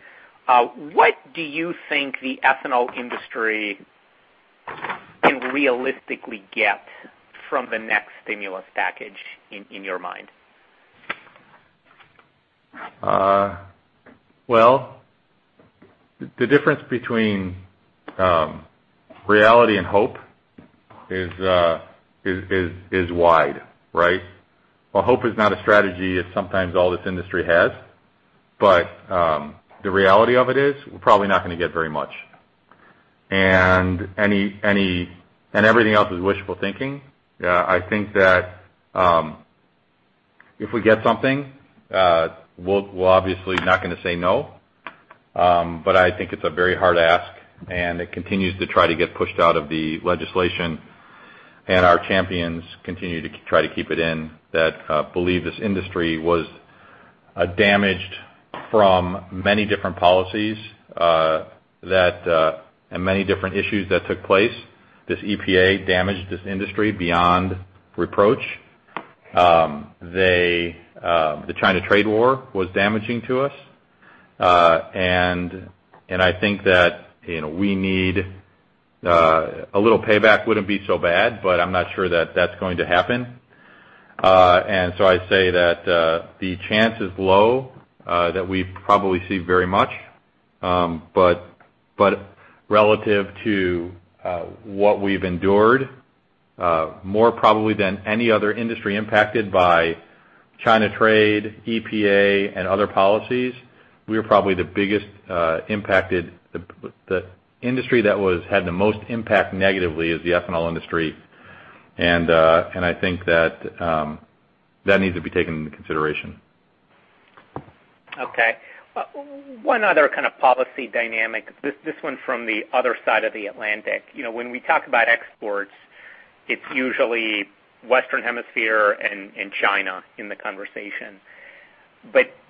What do you think the ethanol industry can realistically get from the next stimulus package in your mind? Well, the difference between reality and hope is wide, right? While hope is not a strategy, it's sometimes all this industry has. The reality of it is we're probably not going to get very much, and everything else is wishful thinking. I think that if we get something, we're obviously not going to say no. I think it's a very hard ask, and it continues to try to get pushed out of the legislation, and our champions continue to try to keep it in; they believe this industry was damaged from many different policies and many different issues that took place. This EPA damaged this industry beyond reproach. The China trade war was damaging to us. I think that a little payback wouldn't be so bad, but I'm not sure that that's going to happen. I say that the chance is low that we probably see much. Relative to what we've endured, more probably than any other industry impacted by China trade, EPA, and other policies, we are probably the most impacted. The industry that had the most impact negatively is the ethanol industry. I think that needs to be taken into consideration. Okay. One other kind of policy dynamic, this one from the other side of the Atlantic. When we talk about exports, it's usually the Western Hemisphere and China in the conversation.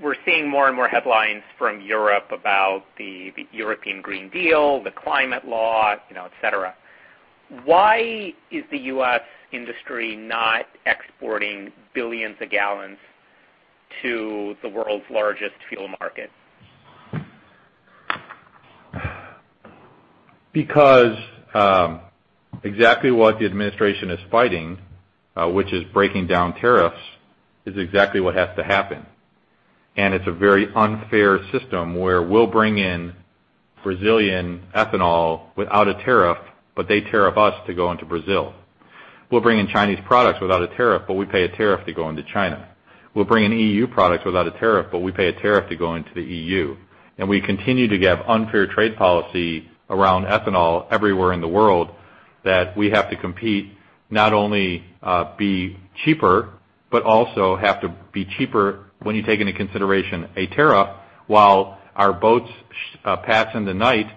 We're seeing more and more headlines from Europe about the European Green Deal, the climate law, et cetera. Why is the U.S. industry not exporting billions of gallons to the world's largest fuel market? Because exactly what the administration is fighting, which is breaking down tariffs, is exactly what has to happen. It's a very unfair system where we'll bring in Brazilian ethanol without a tariff, but they tariff us to go into Brazil. We'll bring in Chinese products without a tariff, but we pay a tariff to go into China. We'll bring in EU products without a tariff, but we pay a tariff to go into the EU. We continue to have unfair trade policy around ethanol everywhere in the world that we have to compete, not only to be cheaper but also to have to be cheaper when you take into consideration a tariff while our boats pass in the night,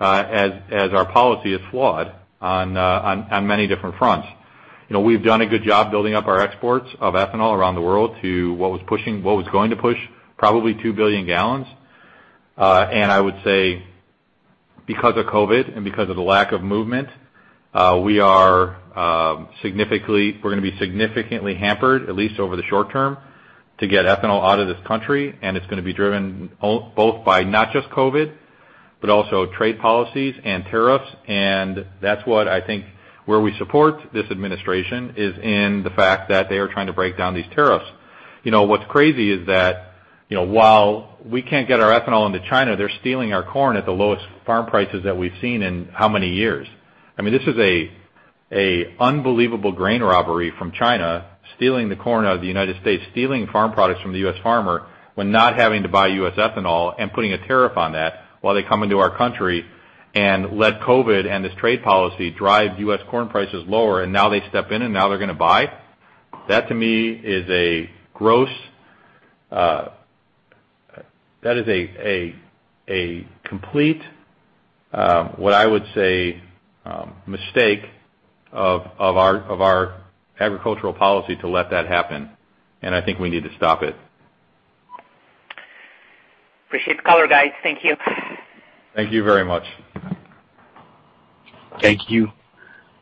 as our policy is flawed on many different fronts. We've done a good job building up our exports of ethanol around the world to what is going to push probably two billion gallons. I would say because of COVID and because of the lack of movement, we're going to be significantly hampered, at least over the short term, to get ethanol out of the U.S. It's going to be driven not just by COVID but also by trade policies and tariffs. That's what I think; where we support this administration is in the fact that they are trying to break down these tariffs. What's crazy is that while we can't get our ethanol into China, they're stealing our corn at the lowest farm prices that we've seen in how many years? I mean, this is an unbelievable grain robbery from China, stealing the corn out of the United States and stealing farm products from the U.S. farmer while not having to buy U.S. ethanol and putting a tariff on that while they come into our country and let COVID and this trade policy drive U.S. corn prices lower, and now they step in, and now they're going to buy. That, to me, is a complete, what I would say, mistake of our agricultural policy to let that happen, and I think we need to stop it. Appreciate the color, guys. Thank you. Thank you very much. Thank you.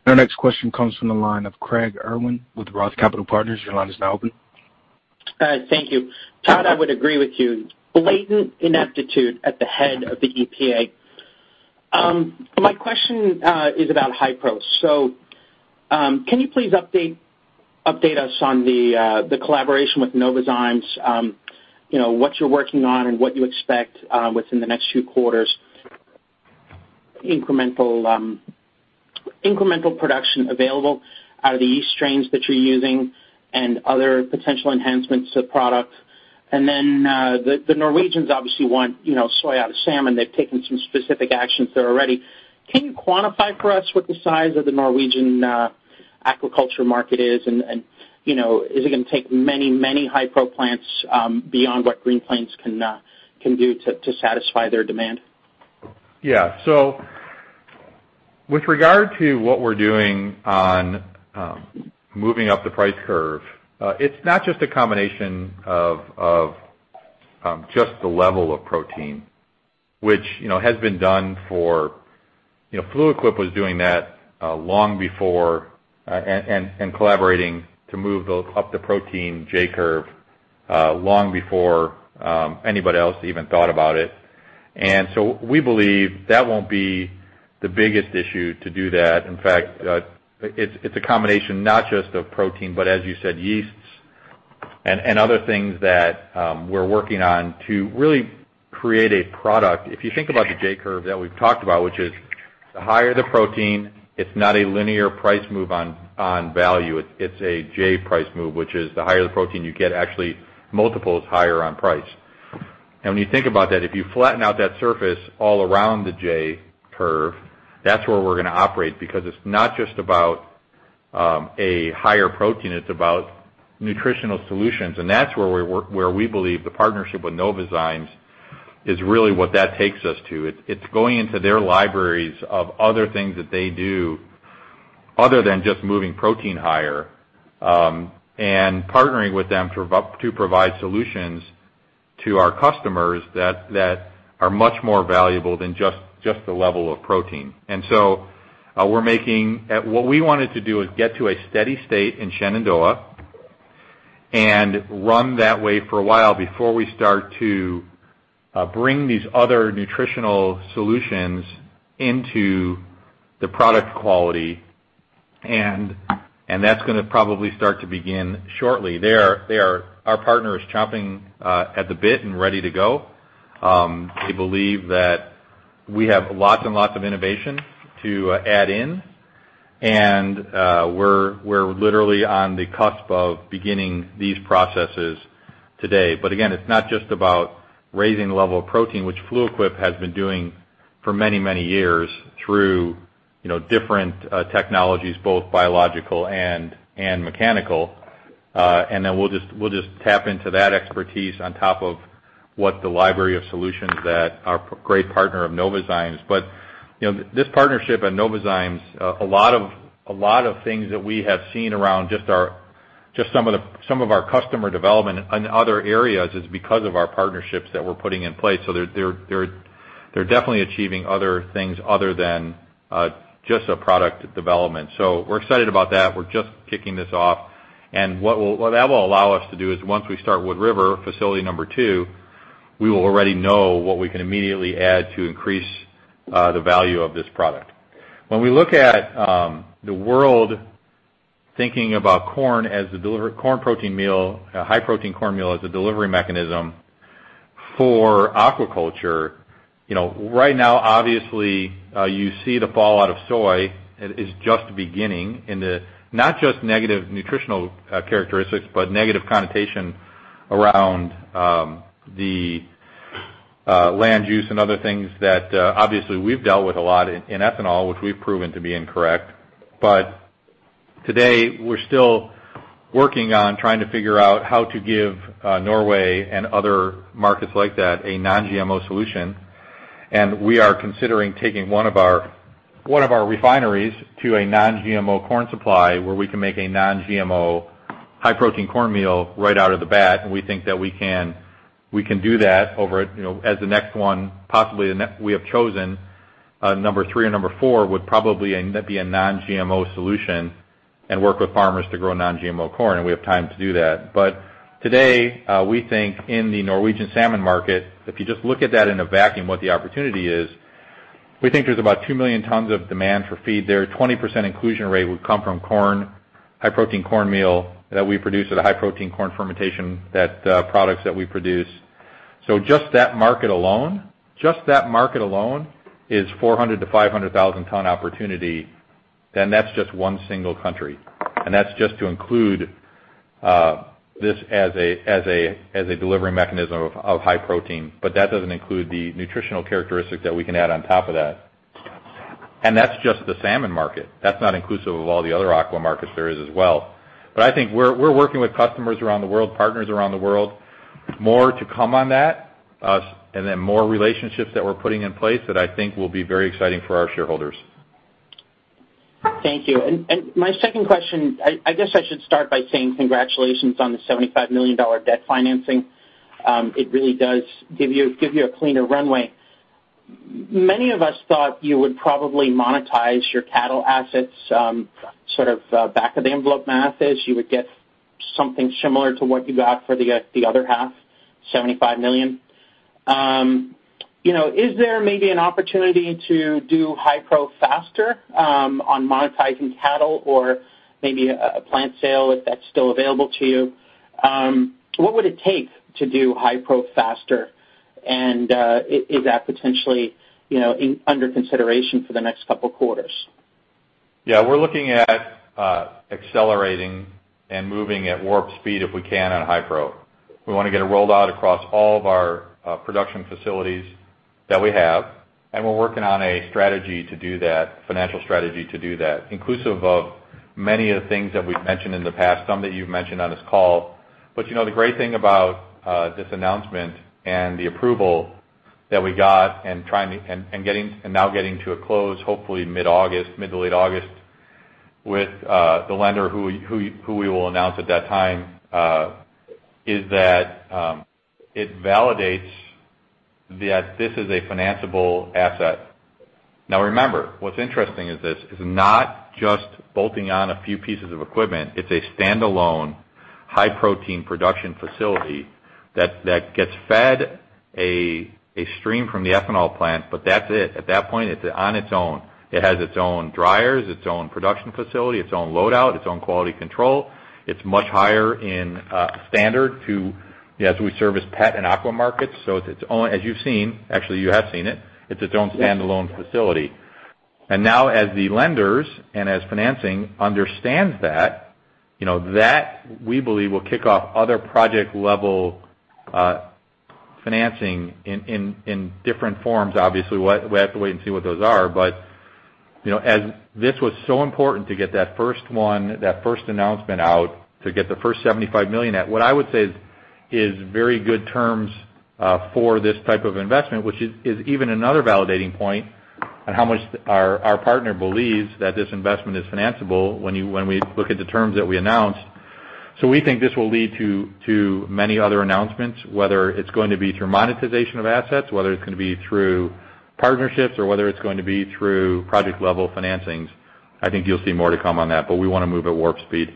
Our next question comes from the line of Craig Irwin with Roth Capital Partners. Your line is now open. Thank you. Todd, I would agree with you. Blatant ineptitude at the head of the EPA. My question is about Hi-Pro. Can you please update us on the collaboration with Novozymes, what you're working on, and what you expect within the next few quarters in incremental production available from the yeast strains that you're using and other potential enhancements to the product? The Norwegians obviously want soy out of salmon. They've taken some specific actions there already. Can you quantify for us what the size of the Norwegian aquaculture market is? Is it going to take many high-protein plants beyond what Green Plains can do to satisfy their demand? With regard to what we're doing on moving up the price curve, it's not just a combination of just the level of protein, which has been done for Fluid Quip, which was doing that long before, and collaborating to move up the protein J-curve, long before anybody else even thought about it. We believe that won't be the biggest issue to do that. In fact, it's a combination not just of protein but, as you said, yeasts and other things that we're working on to really create a product. If you think about the J-curve that we've talked about, which is the higher the protein, it's not a linear price move on value. It's a J-price move, meaning the higher the protein you get, the actually multiple times higher the price. When you think about that, if you flatten out that surface all around the J-curve, that's where we're going to operate, because it's not just about a higher protein; it's about nutritional solutions. That's where we believe the partnership with Novozymes is really what that takes us to. It's going into their libraries of other things that they do other than just moving protein higher, and partnering with them to provide solutions to our customers that are much more valuable than just the level of protein. What we wanted to do is get to a steady state in Shenandoah and run that way for a while before we start to bring these other nutritional solutions into the product quality, and that's probably going to start to begin shortly. Our partner is chomping at the bit and ready to go. We believe that we have lots and lots of innovation to add in, and we're literally on the cusp of beginning these processes today. Again, it's not just about raising the level of protein, which Fluid Quip has been doing for many years through different technologies, both biological and mechanical. Then we'll just tap into that expertise on top of what the library of solutions that our great partner of Novozymes has. This partnership at Novozymes, a lot of things that we have seen around just some of our customer development in other areas are because of our partnerships that we're putting in place. They're definitely achieving other things other than just product development. We're excited about that. We're just kicking this off. What that will allow us to do is once we start Wood River, facility number two, we will already know what we can immediately add to increase the value of this product. When we look at the world thinking about high-protein cornmeal as a delivery mechanism for aquaculture, right now, obviously, you see the fallout of soy is just beginning, not just negative nutritional characteristics but negative connotations around land use and other things that obviously we've dealt with a lot in ethanol, which we've proven to be incorrect. Today, we're still working on trying to figure out how to give Norway and other markets like that a non-GMO solution. We are considering taking one of our refineries to a non-GMO corn supply where we can make a non-GMO high-protein cornmeal right off the bat. We think that we can do that as the next one; possibly we have chosen number three or number four, which would probably be a non-GMO solution and work with farmers to grow non-GMO corn, and we have time to do that. Today, we think in the Norwegian salmon market, if you just look at that in a vacuum, what the opportunity is; we think there's about two million tons of demand for feed there. A 20% inclusion rate would come from corn, high-protein cornmeal that we produce at a high-protein corn fermentation, and products that we produce. Just that market alone is a 400,000-500,000 ton opportunity. That's just one single country. That's just to include this as a delivery mechanism of high protein. That doesn't include the nutritional characteristic that we can add on top of that. That's just the salmon market. That's not inclusive of all the other aqua markets there are as well. I think we're working with customers around the world and partners around the world. More to come on that, more relationships that we're putting in place that I think will be very exciting for our shareholders. Thank you. My second question: I guess I should start by saying congratulations on the $75 million debt financing. It really does give you a cleaner runway. Many of us thought you would probably monetize your cattle assets; sort of back-of-the-envelope math is you would get something similar to what you got for the other half, $75 million. Is there maybe an opportunity to do Hi-Pro faster on monetizing cattle or maybe a plant sale if that's still available to you? What would it take to do Hi-Pro faster? Is that potentially under consideration for the next couple of quarters? Yeah, we're looking at accelerating and moving at warp speed if we can on Hi-Pro. We want to get it rolled out across all of our production facilities that we have, and we're working on a financial strategy to do that, inclusive of many of the things that we've mentioned in the past, some that you've mentioned on this call. The great thing about this announcement and the approval that we got and are now getting to a close, hopefully mid- to late August, with the lender, who we will announce at that time, is that it validates that this is a financeable asset. Now remember, what's interesting is this is not just bolting on a few pieces of equipment. It's a standalone high-protein production facility that gets fed a stream from the ethanol plant, but that's it. At that point, it's on its own. It has its own dryers, its own production facility, its own load-out, and its own quality control. It's much higher in standard too, as we service pet and aqua markets. As you've seen, actually, you have seen it's its own standalone facility. Now as the lenders and as financing understand that we believe will kick off other project-level financing in different forms. Obviously, we have to wait and see what those are, as this was so important to get that first one, that first announcement, out to get the first $75 million at what I would say are very good terms for this type of investment. Which is even another validating point on how much our partner believes that this investment is financeable when we look at the terms that we announced. We think this will lead to many other announcements, whether it's going to be through monetization of assets, through partnerships, or through project-level financings. I think you'll see more to come on that, but we want to move at warp speed.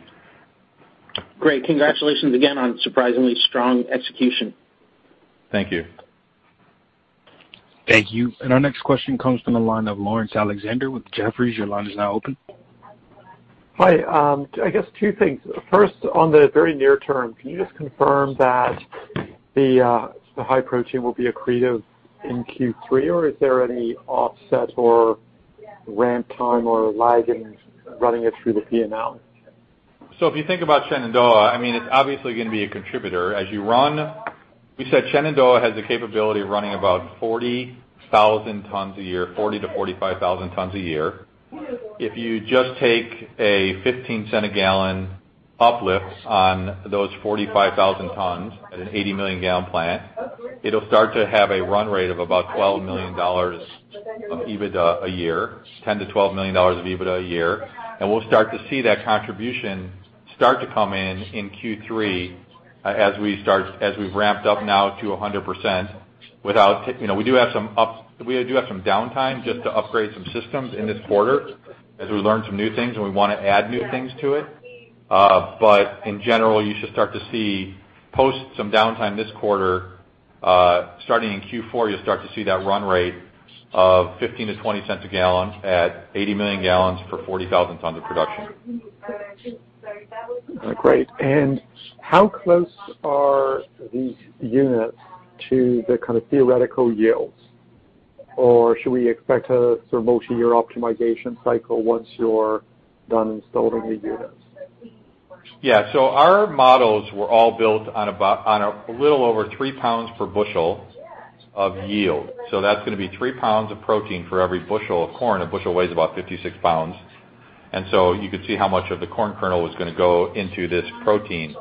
Great. Congratulations again on surprisingly strong execution. Thank you. Thank you. Our next question comes from the line of Laurence Alexander with Jefferies. Your line is now open. Hi. I guess two things. First, in the very near term, can you just confirm that the High Protein will be accretive in Q3? Or is there any offset or ramp time or lag in running it through the P&L? If you think about Shenandoah, it's obviously going to be a contributor. As you run, we said Shenandoah has the capability of running about 40,000 tons a year, 40,000-45,000 tons a year. If you just take a $0.15-a-gallon uplift on those 45,000 tons at an 80-million-gallon plant, it'll start to have a run rate of about $12 million of EBITDA a year, $10 million-$12 million of EBITDA a year. We'll start to see that contribution start to come in in Q3 as we've ramped up now to 100%. We do have some downtime just to upgrade some systems in this quarter as we learn some new things and we want to add new things to it. In general, you should start to see progress after some downtime this quarter. Starting in Q4, you'll start to see that run rate of $0.15-$0.20 a gallon at 80 million gallons for 40,000 tons of production. Great. How close are these units to the kind of theoretical yields? Should we expect a sort of multi-year optimization cycle once you're done installing the units? Our models were all built on a little over three pounds per bushel of yield. That's going to be three pounds of protein for every bushel of corn. A bushel weighs about 56 pounds; you could see how much of the corn kernel was going to go into this protein.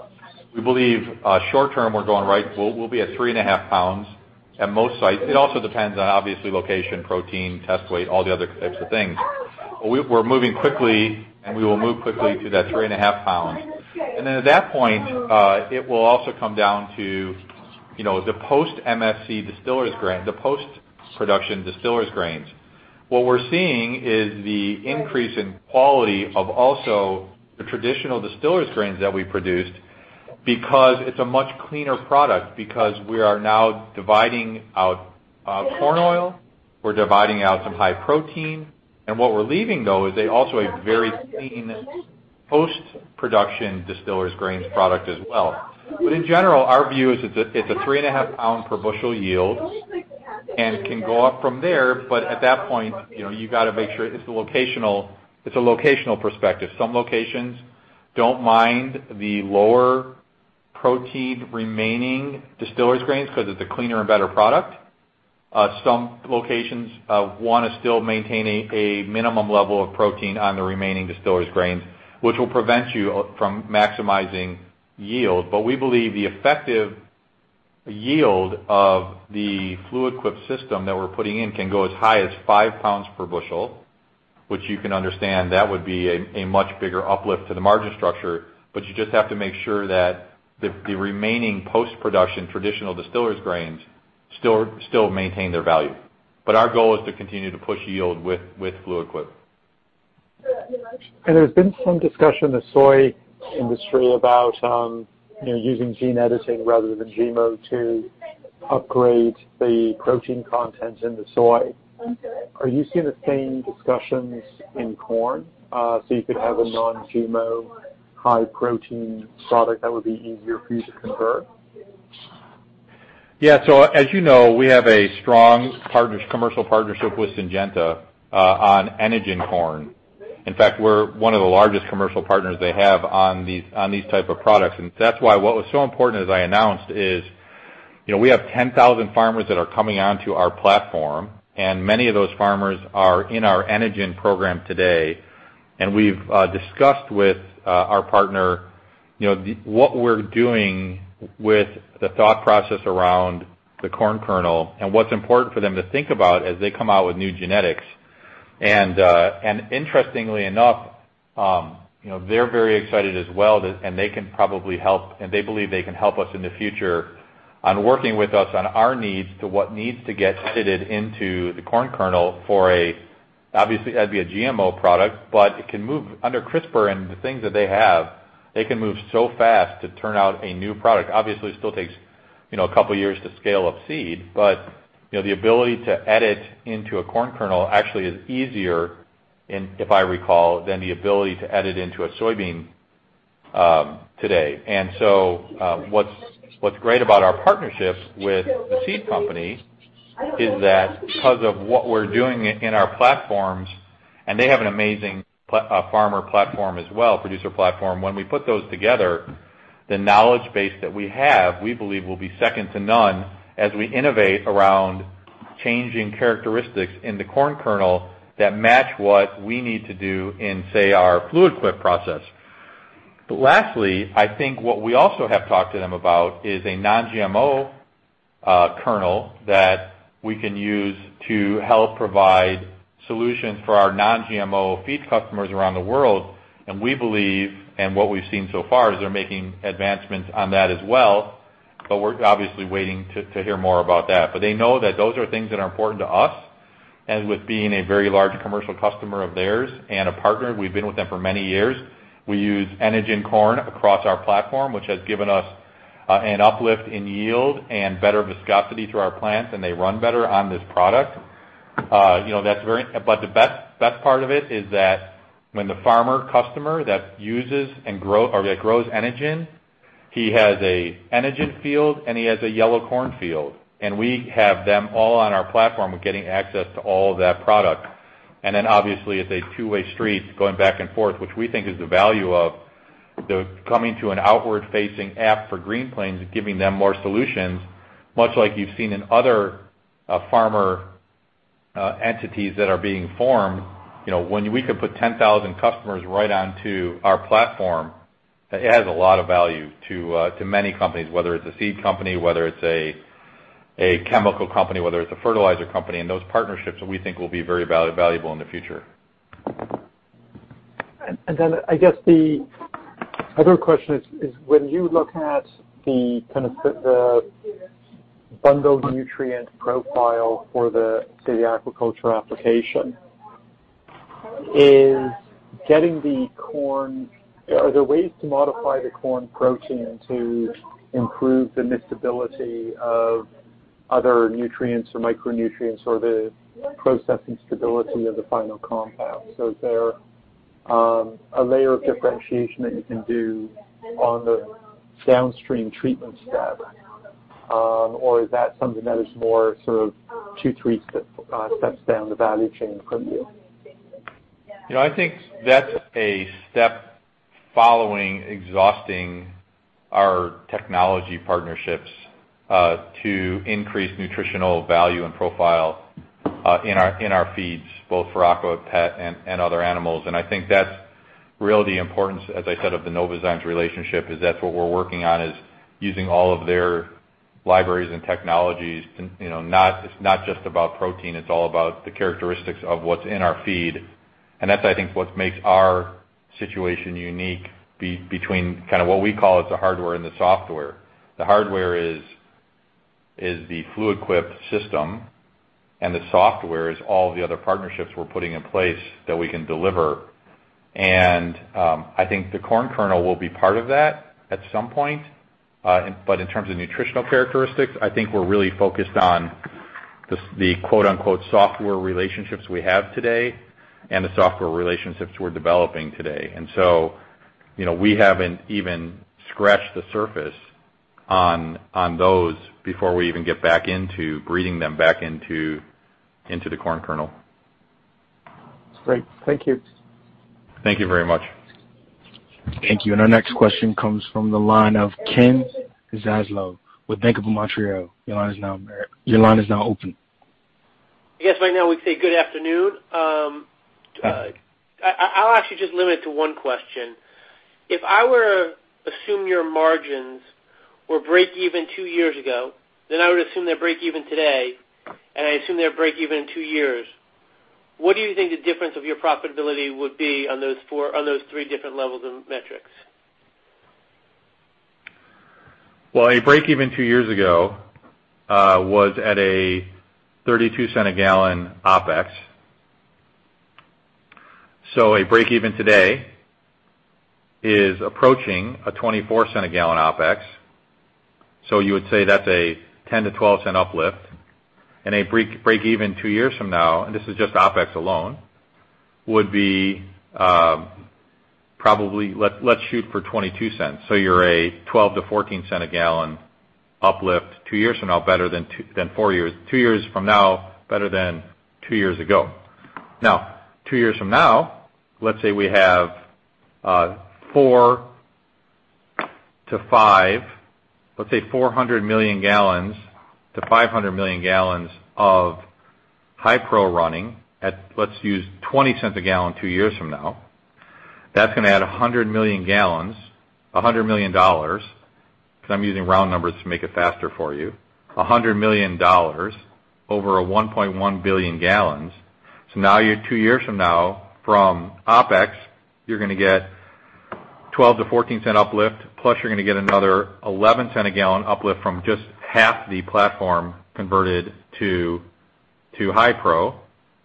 We believe short-term we'll be at three and a half pounds at most sites. It also depends on, obviously, location, protein, test weight, and all the other types of things. We're moving quickly, and we will move quickly to those three and a half pounds. At that point, it will also come down to the post-MSC distillers grain, the post-production distillers grains. What we're seeing is the increase in quality of also the traditional distillers grains that we produced because it's a much cleaner product because we are now dividing out corn oil; we're dividing out some high protein. What we're leaving, though, is also a very clean post-production distillers grains product as well. In general, our view is it's a 3.5-pound per bushel yield and can go up from there. At that point, you've got to make sure it's a locational perspective. Some locations don't mind the lower protein remaining distillers' grains because it's a cleaner and better product. Some locations want to still maintain a minimum level of protein on the remaining distillers grains, which will prevent you from maximizing yield. We believe the effective yield of the Fluid Quip system that we're putting in can go as high as 5 pounds per bushel, which, you can understand, would be a much bigger uplift to the margin structure. You just have to make sure that the remaining post-production traditional distillers' grains still maintain their value. Our goal is to continue to push yield with Fluid Quip. There's been some discussion in the soy industry about using gene editing rather than GMOs to upgrade the protein content in the soy. Are you seeing the same discussions in corn? Could you have a non-GMO high-protein product that would be easier for you to convert? Yeah. As you know, we have a strong commercial partnership with Syngenta on Enogen corn. In fact, we're one of the largest commercial partners they have on this type of product. That's why what was so important, as I announced, is we have 10,000 farmers that are coming onto our platform, and many of those farmers are in our Enogen program today. We've discussed with our partner what we're doing with the thought process around the corn kernel and what's important for them to think about as they come out with new genetics. Interestingly enough, they're very excited as well, and they believe they can help us in the future by working with us on our needs for what needs to get edited into the corn kernel. Obviously, that'd be a GMO product, but it can move under CRISPR and the things that they have. They can move so fast to turn out a new product. Obviously, it still takes a couple of years to scale up seed, but the ability to edit into a corn kernel actually is easier, if I recall, than the ability to edit into a soybean today. What's great about our partnership with the seed company is that because of what we're doing in our platforms, they have an amazing farmer platform as well, a producer platform. When we put those together, the knowledge base that we have, we believe, will be second to none as we innovate around changing characteristics in the corn kernel that match what we need to do in, say, our Fluid Quip process. Lastly, I think what we also have talked to them about is a non-GMO kernel that we can use to help provide solutions for our non-GMO feed customers around the world. We believe, and what we've seen so far, is they're making advancements on that as well, but we're obviously waiting to hear more about that. They know that those are things that are important to us. Being a very large commercial customer of theirs and a partner, we've been with them for many years. We use Enogen corn across our platform, which has given us an uplift in yield and better viscosity through our plants. They run better on this product. The best part of it is that when the farmer customer grows Enogen, he has an Enogen field and he has a yellow corn field. We have them all on our platform. We're getting access to all of that product. Obviously it's a two-way street going back and forth, which we think is the value of the coming to an outward-facing app for Green Plains, giving them more solutions, much like you've seen in other farmer entities that are being formed. When we could put 10,000 customers right onto our platform, it adds a lot of value to many companies, whether they're seed companies, chemical companies, or fertilizer companies. Those partnerships we think will be very valuable in the future. I guess the other question is when you look at the bundled nutrient profile for, say, the aquaculture application. Are there ways to modify the corn protein to improve the miscibility of other nutrients or micronutrients or the process and stability of the final compound? Is there a layer of differentiation that you can do on the downstream treatment step? Is that something that is two or three steps down the value chain from you? I think that's a step following exhausting our technology partnerships to increase nutritional value and profile in our feeds, both for aqua, pet, and other animals. I think that's really the importance, as I said, of the Novozymes relationship: that what we're working on is using all of their libraries and technologies. It's not just about protein; it's all about the characteristics of what's in our feed. That's, I think, what makes our situation unique between what we call the hardware and the software. The hardware is the Fluid Quip system, and the software is all the other partnerships we're putting in place that we can deliver. I think the corn kernel will be part of that at some point. In terms of nutritional characteristics, I think we're really focused on the quote-unquote software relationships we have today and the software relationships we're developing today. We haven't even scratched the surface on those before we even get back into breeding them back into the corn kernels. Great. Thank you. Thank you very much. Thank you. Our next question comes from the line of Kenneth Zaslow with Bank of Montreal. Your line is now open. I guess right now we'd say good afternoon. Hi. I'll actually just limit it to one question. If I were to assume your margins were break-even two years ago, then I would assume they're break-even today, and I assume they'll be break-even in two years. What do you think the difference in your profitability would be on those three different levels of metrics? Well, a breakeven two years ago was at $0.32 a gallon OPEX. A break-even today is approaching a $0.24 a gallon OPEX. You would say that's a $0.10-$0.12 uplift. A break even two years from now, and this is just OPEX alone, would be Probably, let's shoot for $0.22. You're a $0.12-$0.14 a gallon uplift two years from now, better than four years from now. Two years from now, better than two years ago. Now, two years from now, let's say we have four to five—let's say 400 million gallons to 500 million gallons of Hi-Pro running at, let's use, $0.20 a gallon two years from now. That's going to add 100 million gallons, or $100 million, because I'm using round numbers to make it faster for you, $100 million over 1.1 billion gallons. Now you're two years from now from OpEx; you're going to get a $0.12-$0.14 uplift, plus you're going to get another $0.11 a gallon uplift from just half the platform converted to Hi-Pro,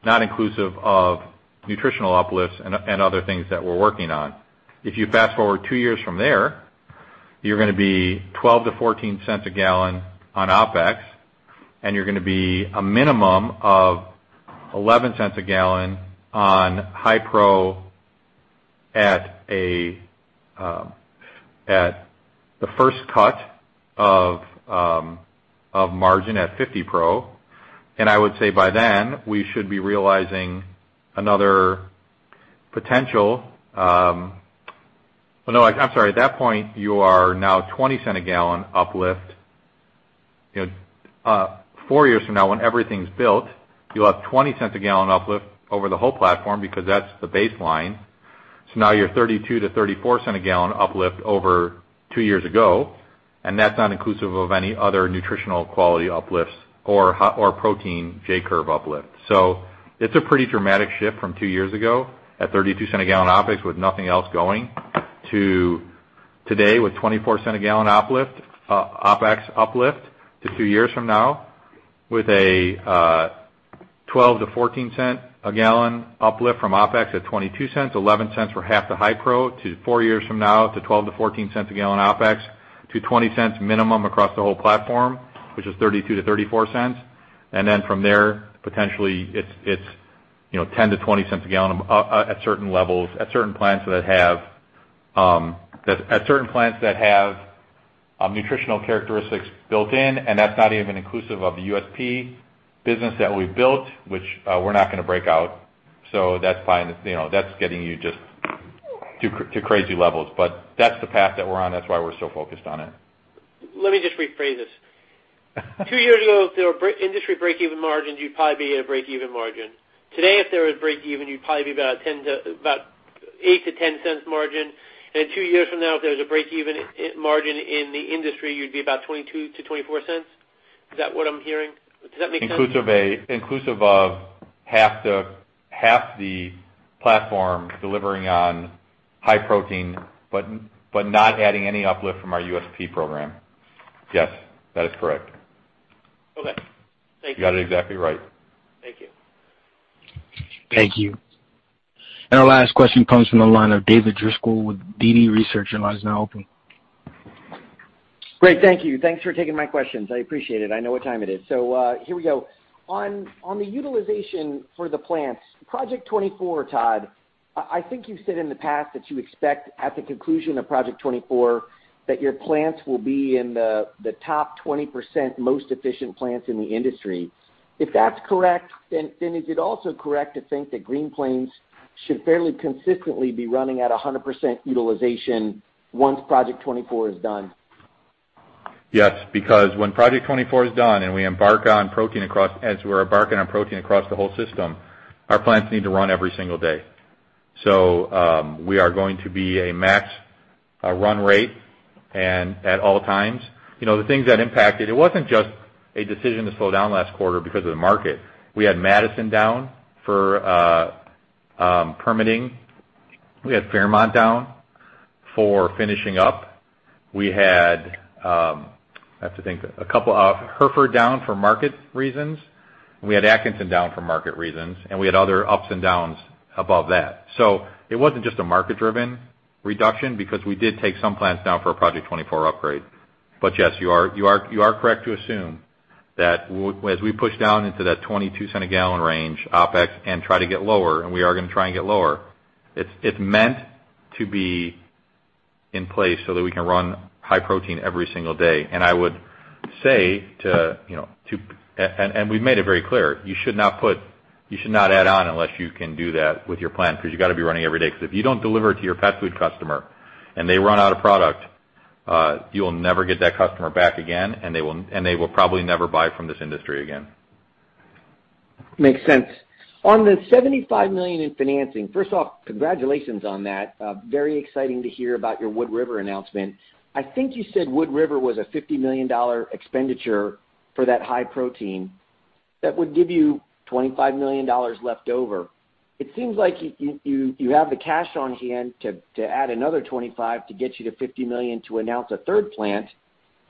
not inclusive of nutritional uplifts and other things that we're working on. If you fast-forward two years from there, you're going to be $0.12-$0.14 a gallon on OpEx, and you're going to be a minimum of $0.11 a gallon on Hi-Pro at the first cut of margin at 50% I would say by then, we should be realizing another potential. No, I'm sorry. At that point, you are now $0.20 a gallon up. Four years from now when everything's built, you'll have $0.20 a gallon uplift over the whole platform because that's the baseline. Now you're $0.32-$0.34 a gallon higher than two years ago, and that's not inclusive of any other nutritional quality uplifts or protein J-curve uplift. It's a pretty dramatic shift from two years ago at $0.32 a gallon OpEx with nothing else going to today with a $0.24 a gallon OpEx uplift to two years from now with a $0.12-$0.14 a gallon uplift from OpEx at $0.22, $0.11 for half the Hi-Pro, to four years from now to $0.12-$0.14 a gallon OpEx, to $0.20 minimum across the whole platform, which is $0.32-$0.34. Then from there, potentially it's $0.10-$0.20 a gallon at certain levels, at certain plants that have nutritional characteristics built in, and that's not even inclusive of the USP business that we built, which we're not going to break out. That's fine. That's getting you just to crazy levels. That's the path that we're on. That's why we're so focused on it. Let me just rephrase this. Two years ago, if there were industry break-even margins, you'd probably be at a break-even margin. Today, if there was a break-even, you'd probably be about a $0.08-$0.10 margin. In two years from now, if there's a break-even margin in the industry, you'd be about $0.22-$0.24. Is that what I'm hearing? Does that make sense? Inclusive of half the platform delivering on high protein, but not adding any uplift from our USP program. Yes, that is correct. Okay. Thank you. You got it exactly right. Thank you. Thank you. Our last question comes from the line of David Driscoll with DD Research. Your line is now open. Great. Thank you. Thanks for taking my questions. I appreciate it. I know what time it is. Here we go. On the utilization for the plants, Project 24, Todd, I think you've said in the past that you expect at the conclusion of Project 24 that your plants will be in the top 20% most efficient plants in the industry. If that's correct, then is it also correct to think that Green Plains should fairly consistently be running at 100% utilization once Project 24 is done? Yes, because when Project 24 is done as we're embarking on protein across the whole system, our plants need to run every single day. We are going to be at a max run rate at all times. The things that impacted it weren't just a decision to slow down last quarter because of the market. We had Madison down for permitting. We had Fairmont down for finishing up. We had, I have to think, Hereford down for market reasons. We had Atkinson down for market reasons, and we had other ups and downs above that. It wasn't just a market-driven reduction because we did take some plants down for a Project 24 upgrade. Yes, you are correct to assume that as we push down into that $0.22 a gallon range OpEx and try to get lower, we are going to try and get lower. It's meant to be in place so that we can run high protein every single day. I would say, and we've made it very clear. You should not add on unless you can do that with your plan, because you have got to be running every day, because if you don't deliver to your pet food customer and they run out of product, you will never get that customer back again, and they will probably never buy from this industry again. Makes sense. On the $75 million in financing, first off, congratulations on that. Very exciting to hear about your Wood River announcement. I think you said Wood River was a $50 million expenditure for that high protein. That would give you $25 million left over. It seems like you have the cash on hand to add another $25 million to get you to $50 million to announce a third plant,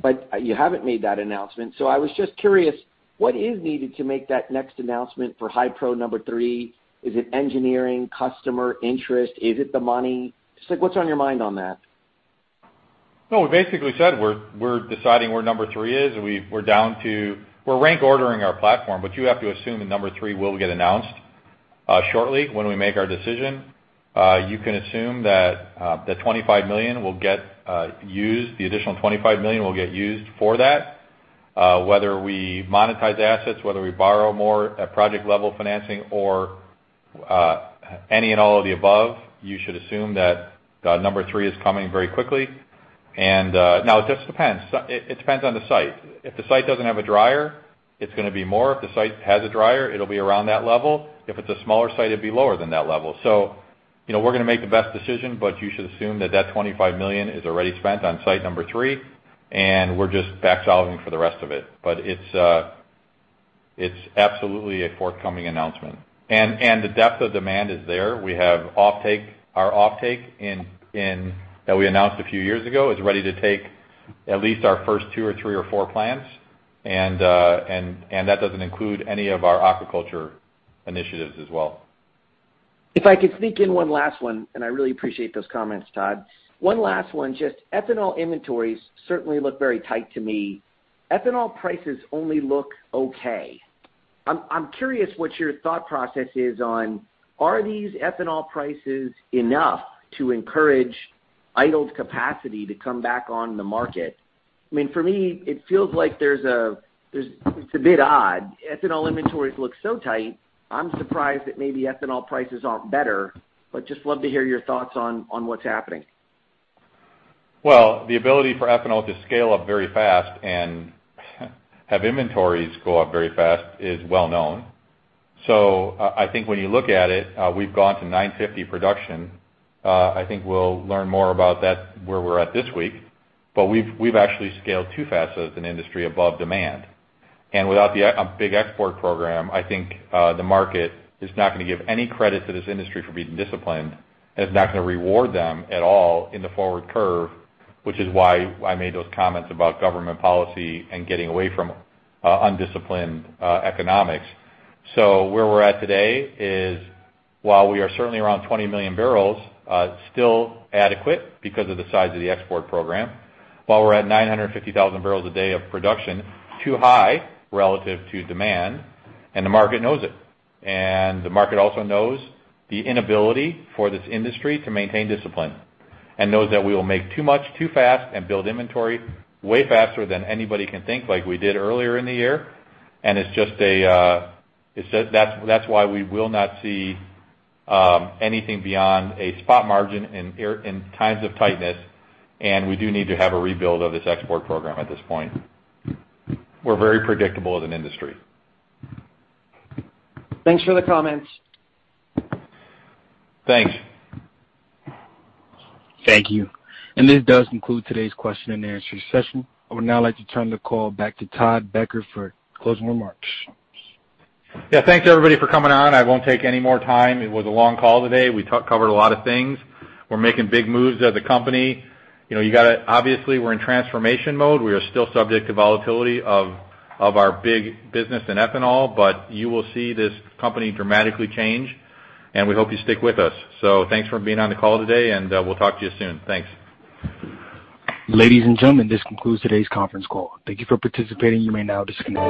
but you haven't made that announcement. I was just curious: what is needed to make that next announcement for Hi-Pro number three? Is it engineering or customer interest? Is it the money? Just what's on your mind on that? No, we basically said we're deciding where number three is; we're rank-ordering our platform. You have to assume that number three will get announced shortly when we make our decision. You can assume that the additional $25 million will get used for that. Whether we monetize assets, whether we borrow more at project-level financing, or any and all of the above, you should assume that number three is coming very quickly. Now it just depends. It depends on the site. If the site doesn't have a dryer, it's going to be more. If the site has a dryer, it'll be around that level. If it's a smaller site, it'd be lower than that level. We're going to make the best decision, but you should assume that that $25 million is already spent on site number three, and we're just back-solving for the rest of it. It's absolutely a forthcoming announcement. The depth of demand is there. We have our off-take that we announced a few years ago, which is ready to take at least our first two or three or four plants. That doesn't include any of our aquaculture initiatives as well. If I could sneak in one last one, and I really appreciate those comments, Todd. One last one: Just ethanol inventories certainly look very tight to me. Ethanol prices only look okay. I'm curious what your thought process is on these ethanol prices: are they enough to encourage idled capacity to come back on the market? For me, it's a bit odd. Ethanol inventories look so tight. I'm surprised that maybe ethanol prices aren't better. Just love to hear your thoughts on what's happening. Well, the ability for ethanol to scale up very fast and have inventories go up very fast is well known. I think when you look at it, we've gone to 950 production. I think we'll learn more about that where we're at this week. We've actually scaled too fast as an industry above demand. Without a big export program, I think the market is not going to give any credit to this industry for being disciplined and is not going to reward them at all in the forward curve, which is why I made those comments about government policy and getting away from undisciplined economics. Where we're at today is, while we are certainly around 20 million barrels, still adequate because of the size of the export program. While we're at 950,000 barrels a day of production, which is too high relative to demand, and the market knows it. The market also knows the inability of this industry to maintain discipline and knows that we will make too much, too fast, and build inventory way faster than anybody can think, like we did earlier in the year. That's why we will not see anything beyond a spot margin in times of tightness. We do need to have a rebuild of this export program at this point. We're very predictable as an industry. Thanks for the comments. Thanks. Thank you. This does conclude today's question and answer session. I would now like to turn the call back to Todd Becker for closing remarks. Thanks, everybody, for coming on. I won't take any more time. It was a long call today. We covered a lot of things. We're making big moves as a company. Obviously, we're in transformation mode. We are still subject to volatility in our big business in ethanol. You will see this company dramatically change, and we hope you stick with us. Thanks for being on the call today, and we'll talk to you soon. Thanks. Ladies and gentlemen, this concludes today's conference call. Thank you for participating. You may now disconnect.